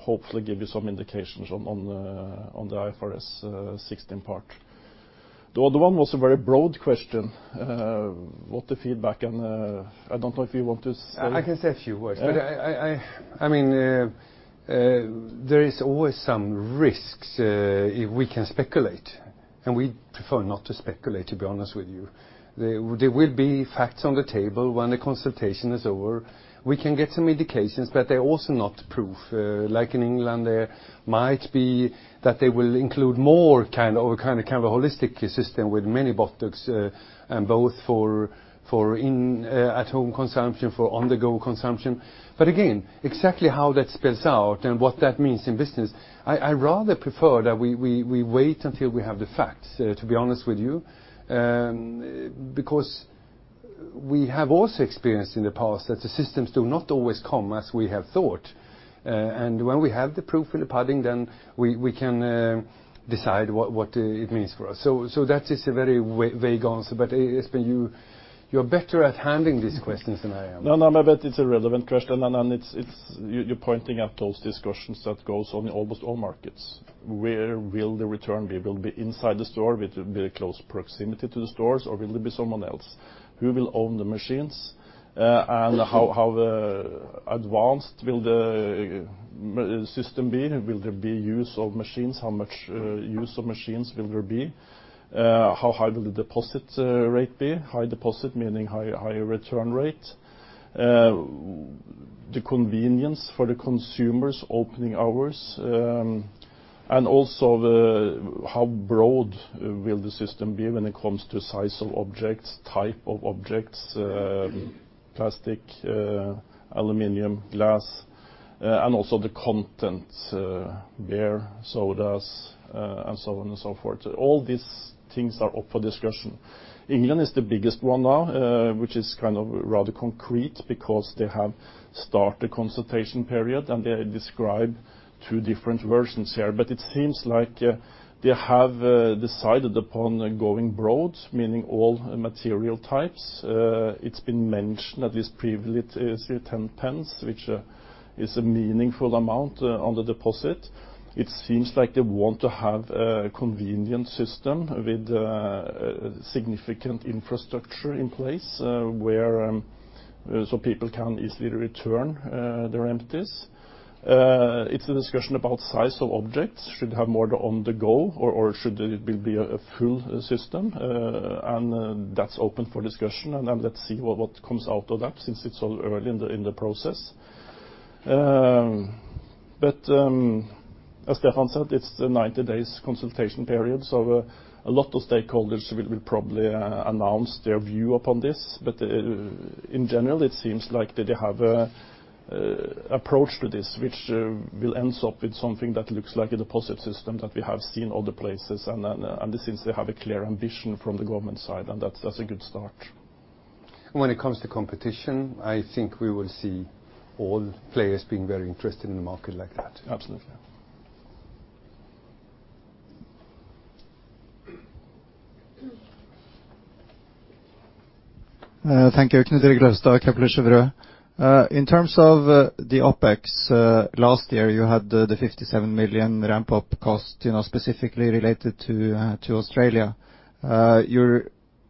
hopefully give you some indications on the IFRS 16 part. The other one was a very broad question. What the feedback and, I don't know if you want to say- I can say a few words. Yeah. There is always some risks if we can speculate, and we prefer not to speculate, to be honest with you. There will be facts on the table when the consultation is over. We can get some indications, but they're also not proof. Like in England, there might be that they will include more kind of a holistic system with many bottles, both for at-home consumption, for on-the-go consumption. Again, exactly how that spills out and what that means in business, I rather prefer that we wait until we have the facts, to be honest with you, because we have also experienced in the past that the systems do not always come as we have thought. When we have the proof in the pudding, then we can decide what it means for us. That is a very vague answer, Espen, you're better at handling these questions than I am. It's a relevant question. You're pointing out those discussions that goes on in almost all markets. Where will the return be? Will it be inside the store with very close proximity to the stores, or will it be someone else? Who will own the machines? How advanced will the system be? Will there be use of machines? How much use of machines will there be? How high will the deposit rate be? High deposit meaning higher return rate. The convenience for the consumers, opening hours, and also how broad will the system be when it comes to size of objects, type of objects, plastic, aluminum, glass, and also the content, beer, sodas, and so on and so forth. All these things are up for discussion. England is the biggest one now, which is kind of rather concrete because they have start the consultation period and they describe two different versions here. It seems like they have decided upon going broad, meaning all material types. It's been mentioned that this privilege is 0.10, which is a meaningful amount on the deposit. It seems like they want to have a convenient system with significant infrastructure in place so people can easily return their empties. It's a discussion about size of objects. Should have more on the go or should it be a full system? That's open for discussion and let's see what comes out of that since it's all early in the process. As Stefan said, it's a 90 days consultation period, so a lot of stakeholders will probably announce their view upon this. In general, it seems like they have approach to this, which will ends up with something that looks like a deposit system that we have seen other places. It seems they have a clear ambition from the government side, that's a good start. When it comes to competition, I think we will see all players being very interested in a market like that. Absolutely. Thank you. Knut Erik Løvstad, Kepler Cheuvreux. In terms of the OpEx, last year you had the 57 million ramp-up cost, specifically related to Australia. You're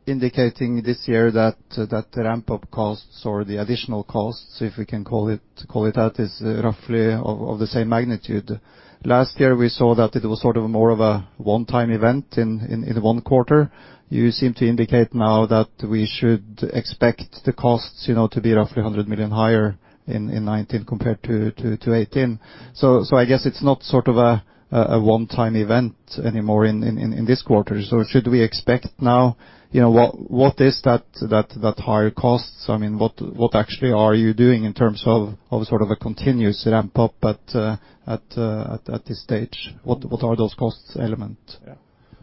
indicating this year that the ramp-up costs or the additional costs, if we can call it that, is roughly of the same magnitude. Last year, we saw that it was sort of more of a one-time event in one quarter. You seem to indicate now that we should expect the costs to be roughly 100 million higher in 2019 compared to 2018. I guess it's not sort of a one-time event anymore in this quarter. Should we expect now, what is that higher costs? What actually are you doing in terms of a continuous ramp-up at this stage? What are those costs element? Yeah.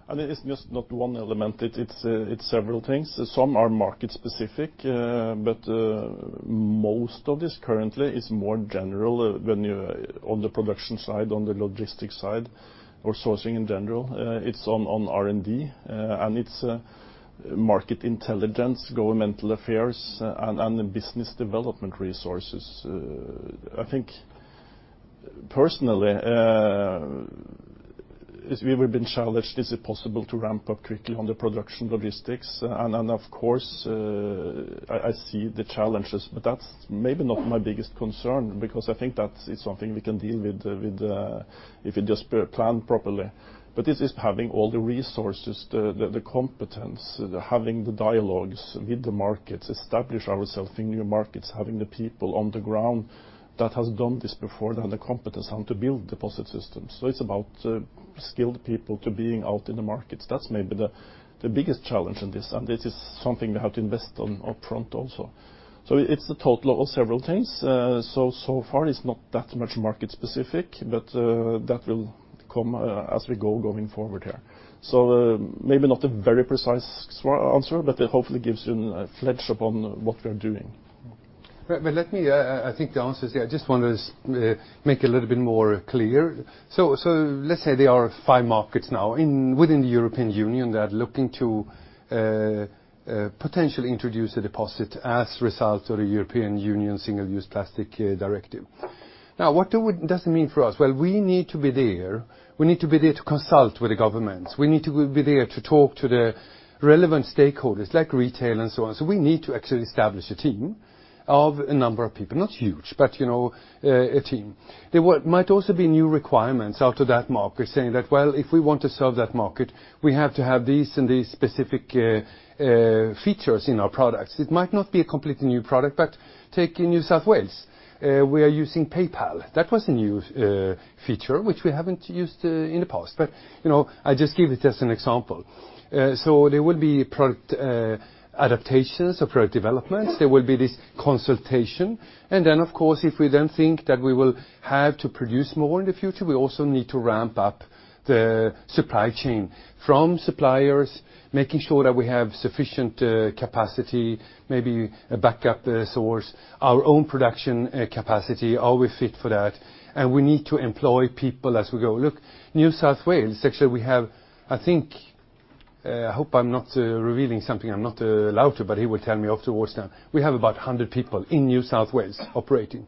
It's just not one element, it's several things. Some are market specific, most of this currently is more general when you're on the production side, on the logistics side, or sourcing in general. It's on R&D, and it's market intelligence, governmental affairs, and the business development resources. I think personally, we've been challenged, is it possible to ramp up quickly on the production logistics? Of course, I see the challenges, that's maybe not my biggest concern, because I think that is something we can deal with if we just plan properly. This is having all the resources, the competence, having the dialogues with the markets, establish ourselves in new markets, having the people on the ground that has done this before, have the competence and to build deposit systems. It's about skilled people to being out in the markets. That's maybe the biggest challenge in this, it is something we have to invest on upfront also. It's the total of several things. So far it's not that much market specific, but that will come as we go, going forward here. Maybe not a very precise answer, but it hopefully gives you a flesh out what we're doing. I just want to make a little bit more clear. Let's say there are five markets now within the European Union that are looking to, potentially introduce a deposit as result of the European Union Single-Use Plastics Directive. What does it mean for us? We need to be there. We need to be there to consult with the governments. We need to be there to talk to the relevant stakeholders like retail and so on. We need to actually establish a team of a number of people, not huge, but a team. There might also be new requirements out to that market saying that, well, if we want to serve that market, we have to have these and these specific features in our products. It might not be a completely new product, but take in New South Wales, we are using PayPal. That was a new feature which we haven't used in the past. I just give it as an example. There will be product adaptations or product developments. There will be this consultation, and then of course, if we then think that we will have to produce more in the future, we also need to ramp up the supply chain from suppliers, making sure that we have sufficient capacity, maybe back up the source, our own production capacity, are we fit for that? We need to employ people as we go. New South Wales, actually we have, I think, I hope I'm not revealing something I'm not allowed to, but he will tell me off afterwards then. We have about 100 people in New South Wales operating.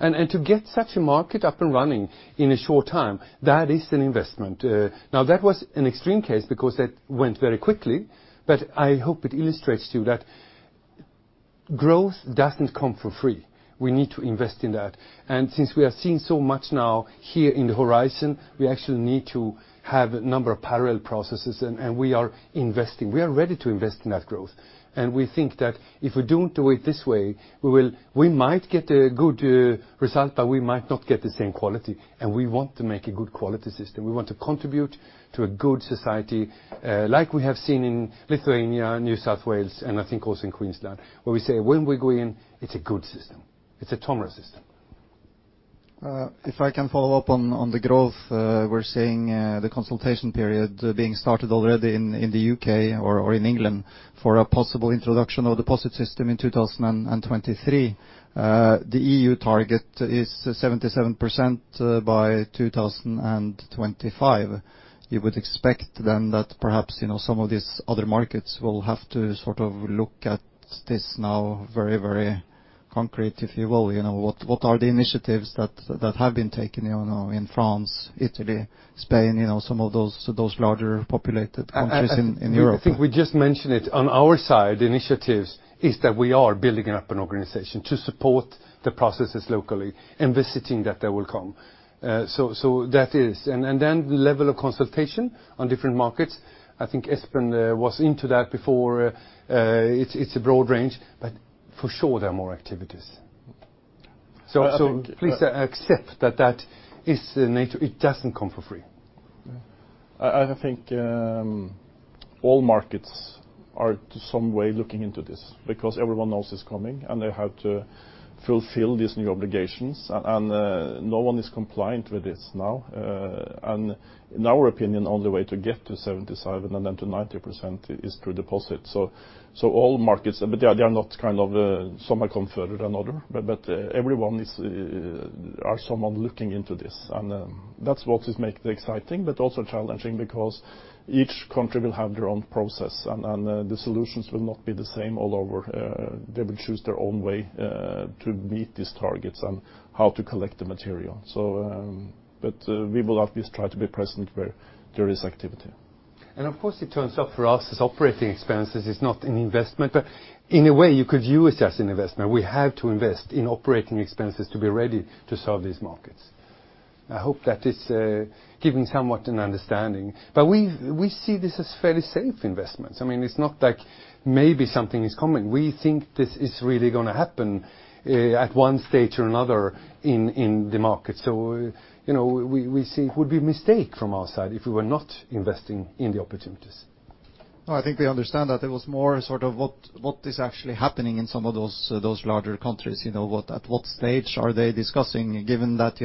To get such a market up and running in a short time, that is an investment. That was an extreme case because that went very quickly, but I hope it illustrates to you that growth doesn't come for free. We need to invest in that. Since we are seeing so much now here in the horizon, we actually need to have a number of parallel processes, and we are investing. We are ready to invest in that growth. We think that if we don't do it this way, we might get a good result, but we might not get the same quality. We want to make a good quality system. We want to contribute to a good society, like we have seen in Lithuania, New South Wales, and I think also in Queensland, where we say when we go in, it's a good system. It's a Tomra system. If I can follow up on the growth, we're seeing the consultation period being started already in the U.K. or in England for a possible introduction of deposit system in 2023. The EU target is 77% by 2025. You would expect then that perhaps some of these other markets will have to sort of look at this now very concrete, if you will. What are the initiatives that have been taken in France, Italy, Spain, some of those larger populated countries in Europe? I think we just mentioned it. On our side, initiatives is that we are building up an organization to support the processes locally and visiting that they will come. The level of consultation on different markets, I think Espen was into that before. It's a broad range, but for sure there are more activities. Please accept that that is nature. It doesn't come for free. Yeah. I think all markets are to some way looking into this because everyone knows it's coming, and they have to fulfill these new obligations, and no one is compliant with this now. In our opinion, only way to get to 77% and then to 90% is through deposit. All markets, but they are not kind of, some are considered another, but everyone is are someone looking into this. That's what is make it exciting, but also challenging because each country will have their own process, and the solutions will not be the same all over. They will choose their own way, to meet these targets and how to collect the material. We will at least try to be present where there is activity. Of course, it turns up for us as operating expenses. It's not an investment, in a way you could view it as an investment. We have to invest in operating expenses to be ready to serve these markets. I hope that is giving somewhat an understanding. We see this as fairly safe investments. It's not like maybe something is coming. We think this is really going to happen at one stage or another in the market. We see it would be a mistake from our side if we were not investing in the opportunities. I think we understand that. It was more sort of what is actually happening in some of those larger countries. At what stage are they discussing, given that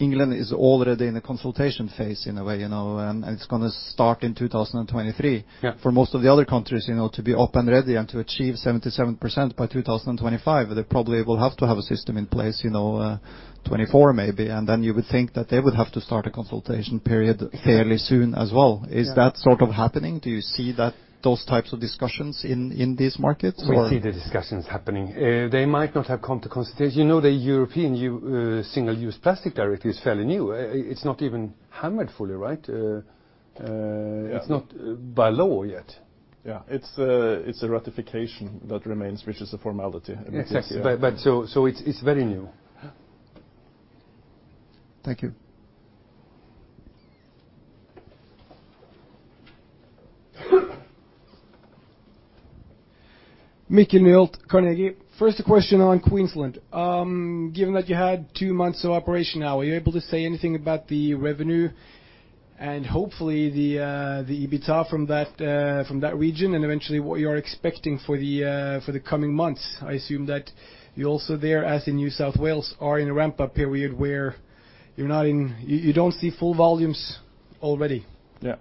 England is already in a consultation phase in a way, and it's going to start in 2023. Yeah. For most of the other countries, to be up and ready and to achieve 77% by 2025, they probably will have to have a system in place, 2024 maybe. You would think that they would have to start a consultation period fairly soon as well. Yeah. Is that sort of happening? Do you see those types of discussions in these markets, or? We see the discussions happening. They might not have come to consultation. The European Single-Use Plastics Directive is fairly new. It's not even hammered fully, right? Yeah. It's not by law yet. Yeah. It's a ratification that remains, which is a formality. Exactly. It's very new. Yeah. Thank you. Mikael Nyholt, Carnegie. First a question on Queensland. Given that you had two months of operation now, are you able to say anything about the revenue and hopefully the EBITDA from that region, and eventually what you're expecting for the coming months? I assume that you also there, as in New South Wales, are in a ramp-up period where you don't see full volumes already. Yeah.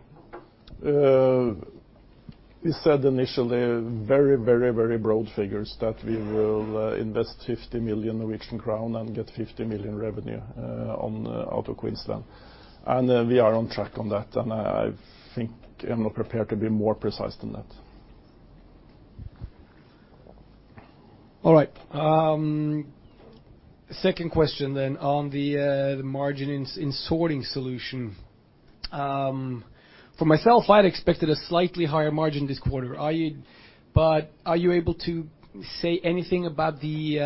We said initially very broad figures, that we will invest 50 million Norwegian crown and get 50 million revenue out of Queensland. We are on track on that. I think I'm not prepared to be more precise than that. All right. Second question then on the margin in sorting solution. For myself, I'd expected a slightly higher margin this quarter. Are you able to say anything about the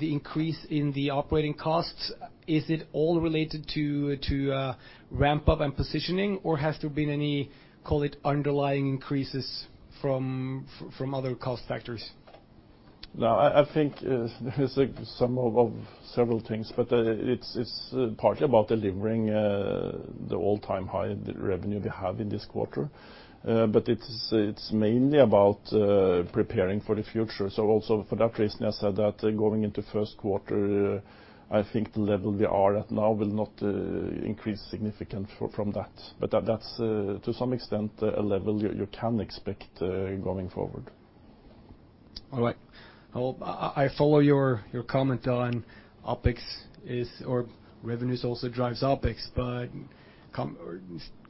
increase in the operating costs? Is it all related to ramp-up and positioning, or has there been any, call it underlying increases from other cost factors? I think there is a sum of several things, it's partly about delivering the all-time high revenue we have in this quarter. It's mainly about preparing for the future. Also for that reason, I said that going into first quarter, I think the level we are at now will not increase significantly from that. That's, to some extent, a level you can expect going forward. All right. I follow your comment on revenues also drives OpEx,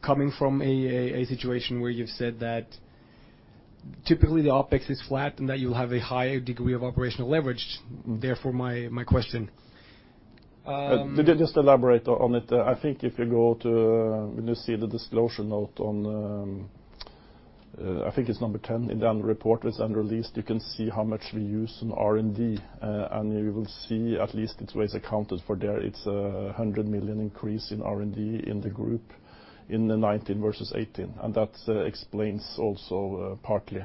coming from a situation where you've said that typically the OpEx is flat and that you'll have a higher degree of operational leverage, therefore my question. Let me just elaborate on it. I think if you go to, when you see the disclosure note on, I think it's number 10 in the annual report that's been released, you can see how much we use in R&D. You will see at least it was accounted for there. It's 100 million increase in R&D in the group in the 2019 versus 2018, and that explains also partly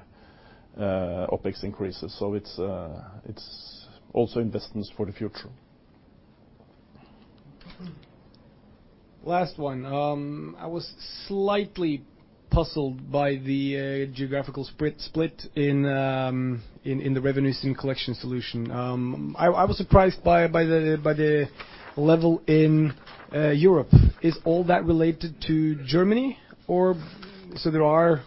OpEx increases. It's also investments for the future. Last one. I was slightly puzzled by the geographical split in the revenues in collection solution. I was surprised by the level in Europe. Is all that related to Germany? There are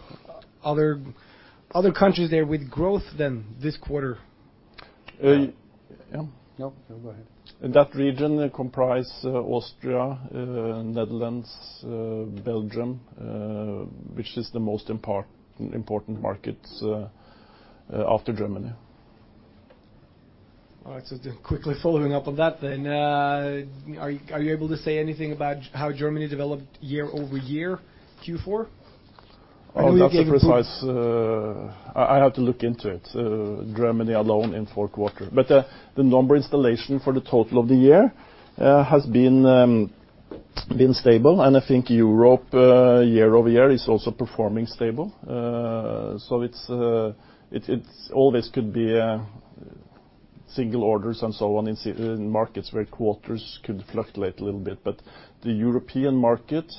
other countries there with growth then this quarter? Yeah. No. No, go ahead. That region comprise Austria, Netherlands, Belgium, which is the most important markets after Germany. All right. Quickly following up on that then, are you able to say anything about how Germany developed year-over-year, Q4? I have to look into it, Germany alone in fourth quarter. The number installation for the total of the year has been stable, and I think Europe year-over-year is also performing stable. All this could be single orders and so on in markets where quarters could fluctuate a little bit. The European market,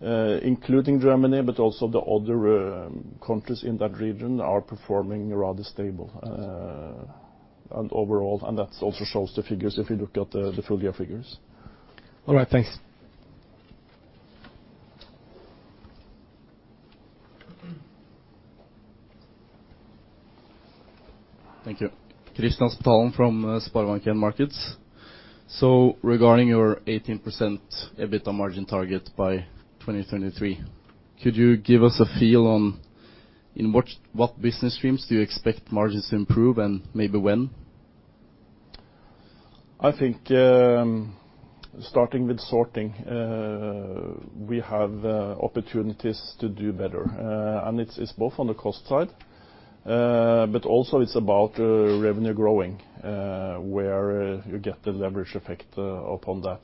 including Germany, but also the other countries in that region, are performing rather stable overall, and that also shows the figures if you look at the full year figures. All right, thanks. Thank you. Christian Stray from SpareBank 1 Markets. Regarding your 18% EBITDA margin target by 2023, could you give us a feel on in what business streams do you expect margins to improve and maybe when? I think starting with sorting, we have opportunities to do better. It's both on the cost side, but also it's about revenue growing, where you get the leverage effect upon that.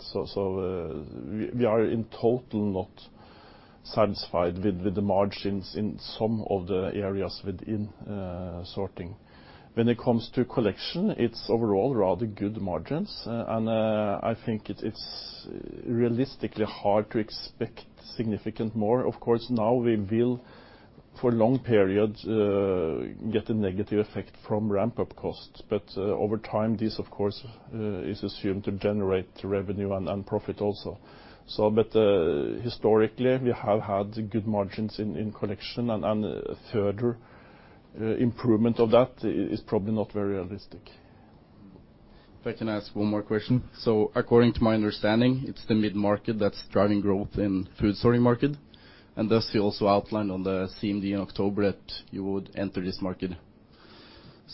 We are in total not satisfied with the margins in some of the areas within sorting. When it comes to collection, it's overall rather good margins, and I think it's realistically hard to expect significant more. Of course, now we will, for a long period, get a negative effect from ramp-up costs. Over time, this, of course, is assumed to generate revenue and profit also. Historically, we have had good margins in collection, and further improvement of that is probably not very realistic. If I can ask one more question. According to my understanding, it's the mid-market that's driving growth in food sorting market, and thus you also outlined on the CMD in October that you would enter this market.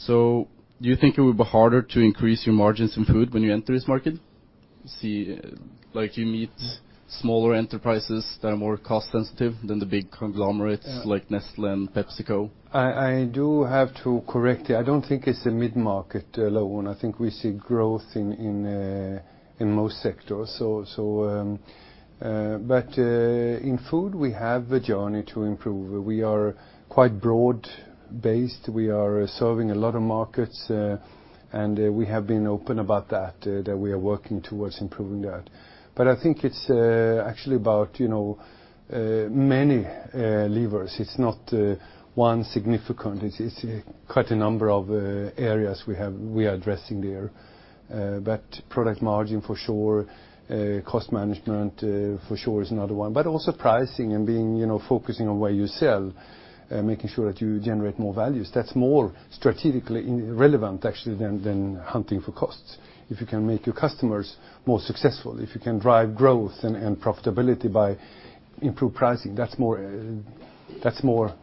Do you think it would be harder to increase your margins in food when you enter this market? You meet smaller enterprises that are more cost sensitive than the big conglomerates like Nestlé and PepsiCo. I do have to correct you. I don't think it's the mid-market alone. I think we see growth in most sectors. In food, we have a journey to improve. We are quite broad-based. We are serving a lot of markets, and we have been open about that we are working towards improving that. I think it's actually about many levers. It's not one significant. It's quite a number of areas we are addressing there. Product margin for sure, cost management for sure is another one. Also pricing and focusing on where you sell, making sure that you generate more value. That's more strategically relevant, actually, than hunting for costs. If you can make your customers more successful, if you can drive growth and profitability by improved pricing, that's more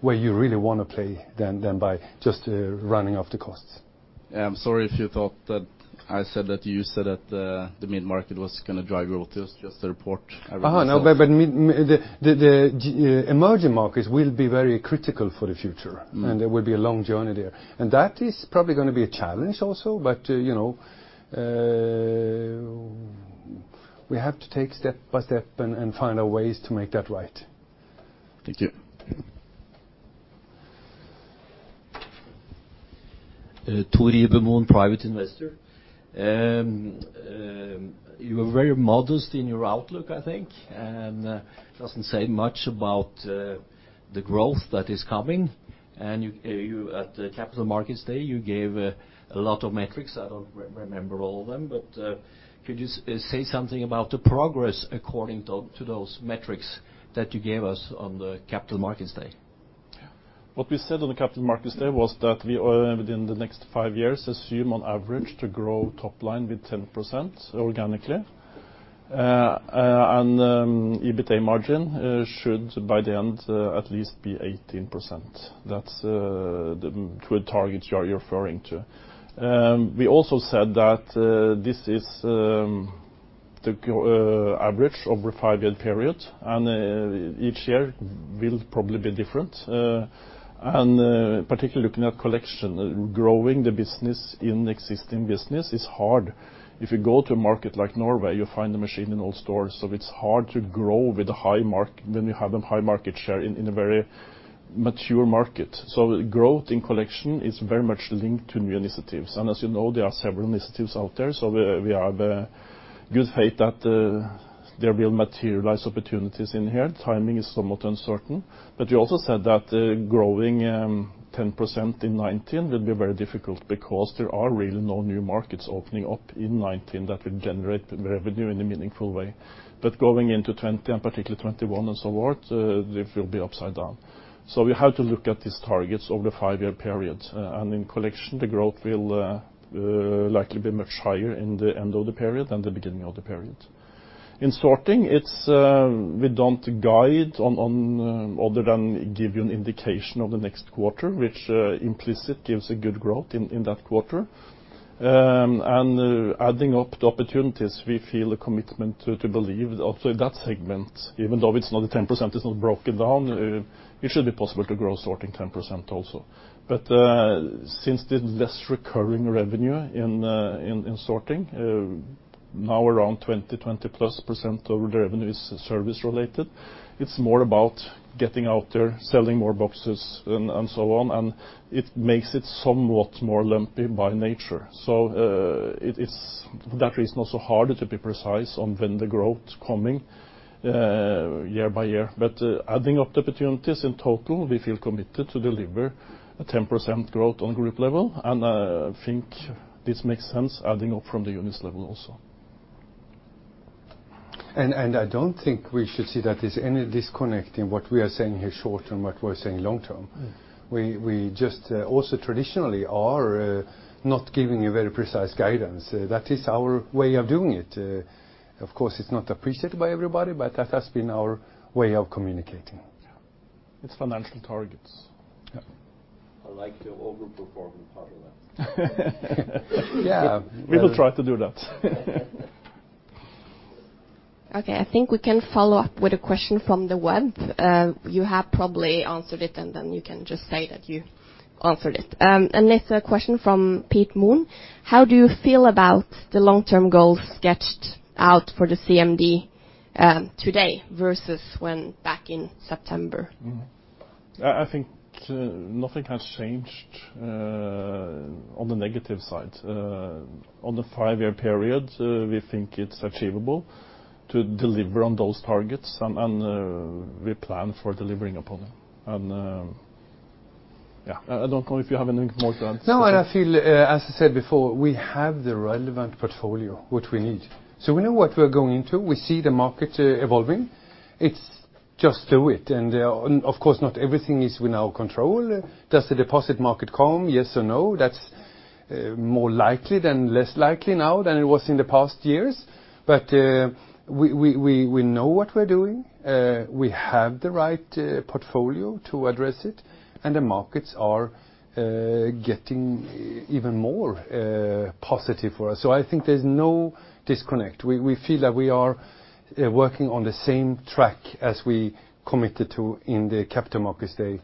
where you really want to play than by just running up the costs. I'm sorry if you thought that I said that you said that the mid-market was going to drive growth. It was just the report. The emerging markets will be very critical for the future, and there will be a long journey there. That is probably going to be a challenge also. We have to take step by step and find our ways to make that right. Thank you. Trond Riiber Knudsen, private investor. You were very modest in your outlook, I think, and it doesn't say much about the growth that is coming. At the Capital Markets Day, you gave a lot of metrics. I don't remember all of them, could you say something about the progress according to those metrics that you gave us on the Capital Markets Day? What we said on the Capital Markets Day was that within the next 5 years, assume on average to grow top line with 10% organically. EBITA margin should, by the end, at least be 18%. That's the target you're referring to. We also said that this is the average over a 5-year period, and each year will probably be different. Particularly looking at collection, growing the business in existing business is hard. If you go to a market like Norway, you find the machine in all stores, so it's hard to grow when you have a high market share in a very mature market. Growth in collection is very much linked to new initiatives. As you know, there are several initiatives out there, we have good faith that there will materialize opportunities in here. Timing is somewhat uncertain. We also said that growing 10% in 2019 will be very difficult because there are really no new markets opening up in 2019 that will generate revenue in a meaningful way. Going into 2020, and particularly 2021 and so forth, it will be upside down. We have to look at these targets over the 5-year period. In collection, the growth will likely be much higher in the end of the period than the beginning of the period. In sorting, we don't guide other than give you an indication of the next quarter, which implicit gives a good growth in that quarter. Adding up the opportunities, we feel a commitment to believe also in that segment, even though it's not a 10%, it's not broken down, it should be possible to grow sorting 10% also. Since there's less recurring revenue in sorting, now around 20+% of the revenue is service related. It's more about getting out there, selling more boxes, and so on, and it makes it somewhat more lumpy by nature. It is, for that reason, also harder to be precise on when the growth's coming year by year. Adding up the opportunities in total, we feel committed to deliver a 10% growth on group level, and I think this makes sense adding up from the units level also. I don't think we should see that there's any disconnect in what we are saying here short term, what we are saying long term. We just also traditionally are not giving you very precise guidance. That is our way of doing it. Of course, it's not appreciated by everybody, but that has been our way of communicating. Its financial targets. Yeah. I like the overperforming part of that. Yeah. We will try to do that. I think we can follow up with a question from the web. You have probably answered it, then you can just say that you answered it. It's a question from Petter Nystrøm. How do you feel about the long-term goals sketched out for the CMD today versus when back in September? I think nothing has changed on the negative side. On the five-year period, we think it's achievable to deliver on those targets and we plan for delivering upon them. I don't know if you have anything more to add. No. No, I feel, as I said before, we have the relevant portfolio which we need. We know what we're going into. We see the market evolving. It's just do it. Of course, not everything is in our control. Does the deposit market come, yes or no? That's more likely than less likely now than it was in the past years. We know what we're doing. We have the right portfolio to address it, and the markets are getting even more positive for us. I think there's no disconnect. We feel that we are working on the same track as we committed to in the Capital Markets Day.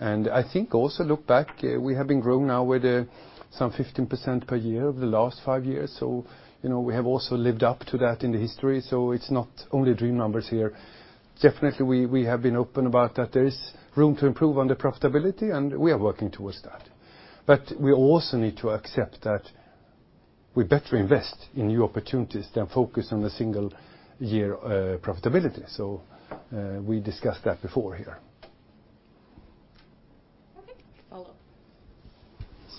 I think also look back, we have been growing now with some 15% per year over the last five years. We have also lived up to that in the history, so it's not only dream numbers here. Definitely, we have been open about that there is room to improve on the profitability, and we are working towards that. We also need to accept that we better invest in new opportunities than focus on the single year profitability. We discussed that before here.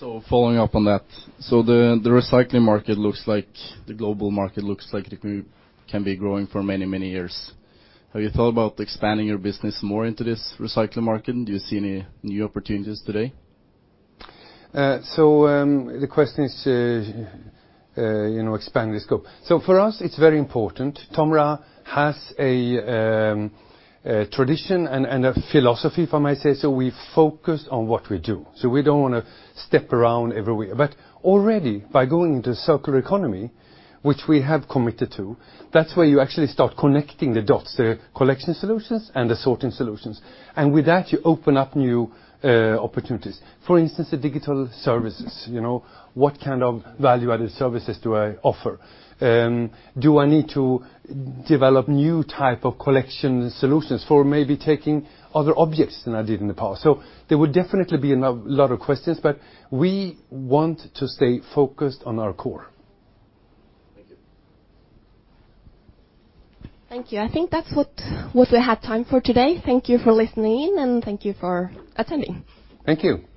Okay. Follow up. Following up on that, the recycling market looks like the global market looks like it can be growing for many, many years. Have you thought about expanding your business more into this recycling market? Do you see any new opportunities today? The question is, expand the scope. For us, it's very important. Tomra has a tradition and a philosophy, if I might say so. We focus on what we do. We don't want to step around everywhere. But already by going into circular economy, which we have committed to, that's where you actually start connecting the dots, the collection solutions, and the sorting solutions. With that, you open up new opportunities. For instance, the digital services. What kind of value-added services do I offer? Do I need to develop new type of collection solutions for maybe taking other objects than I did in the past? They would definitely be a lot of questions, but we want to stay focused on our core. Thank you. Thank you. I think that's what we had time for today. Thank you for listening and thank you for attending. Thank you. Thank you.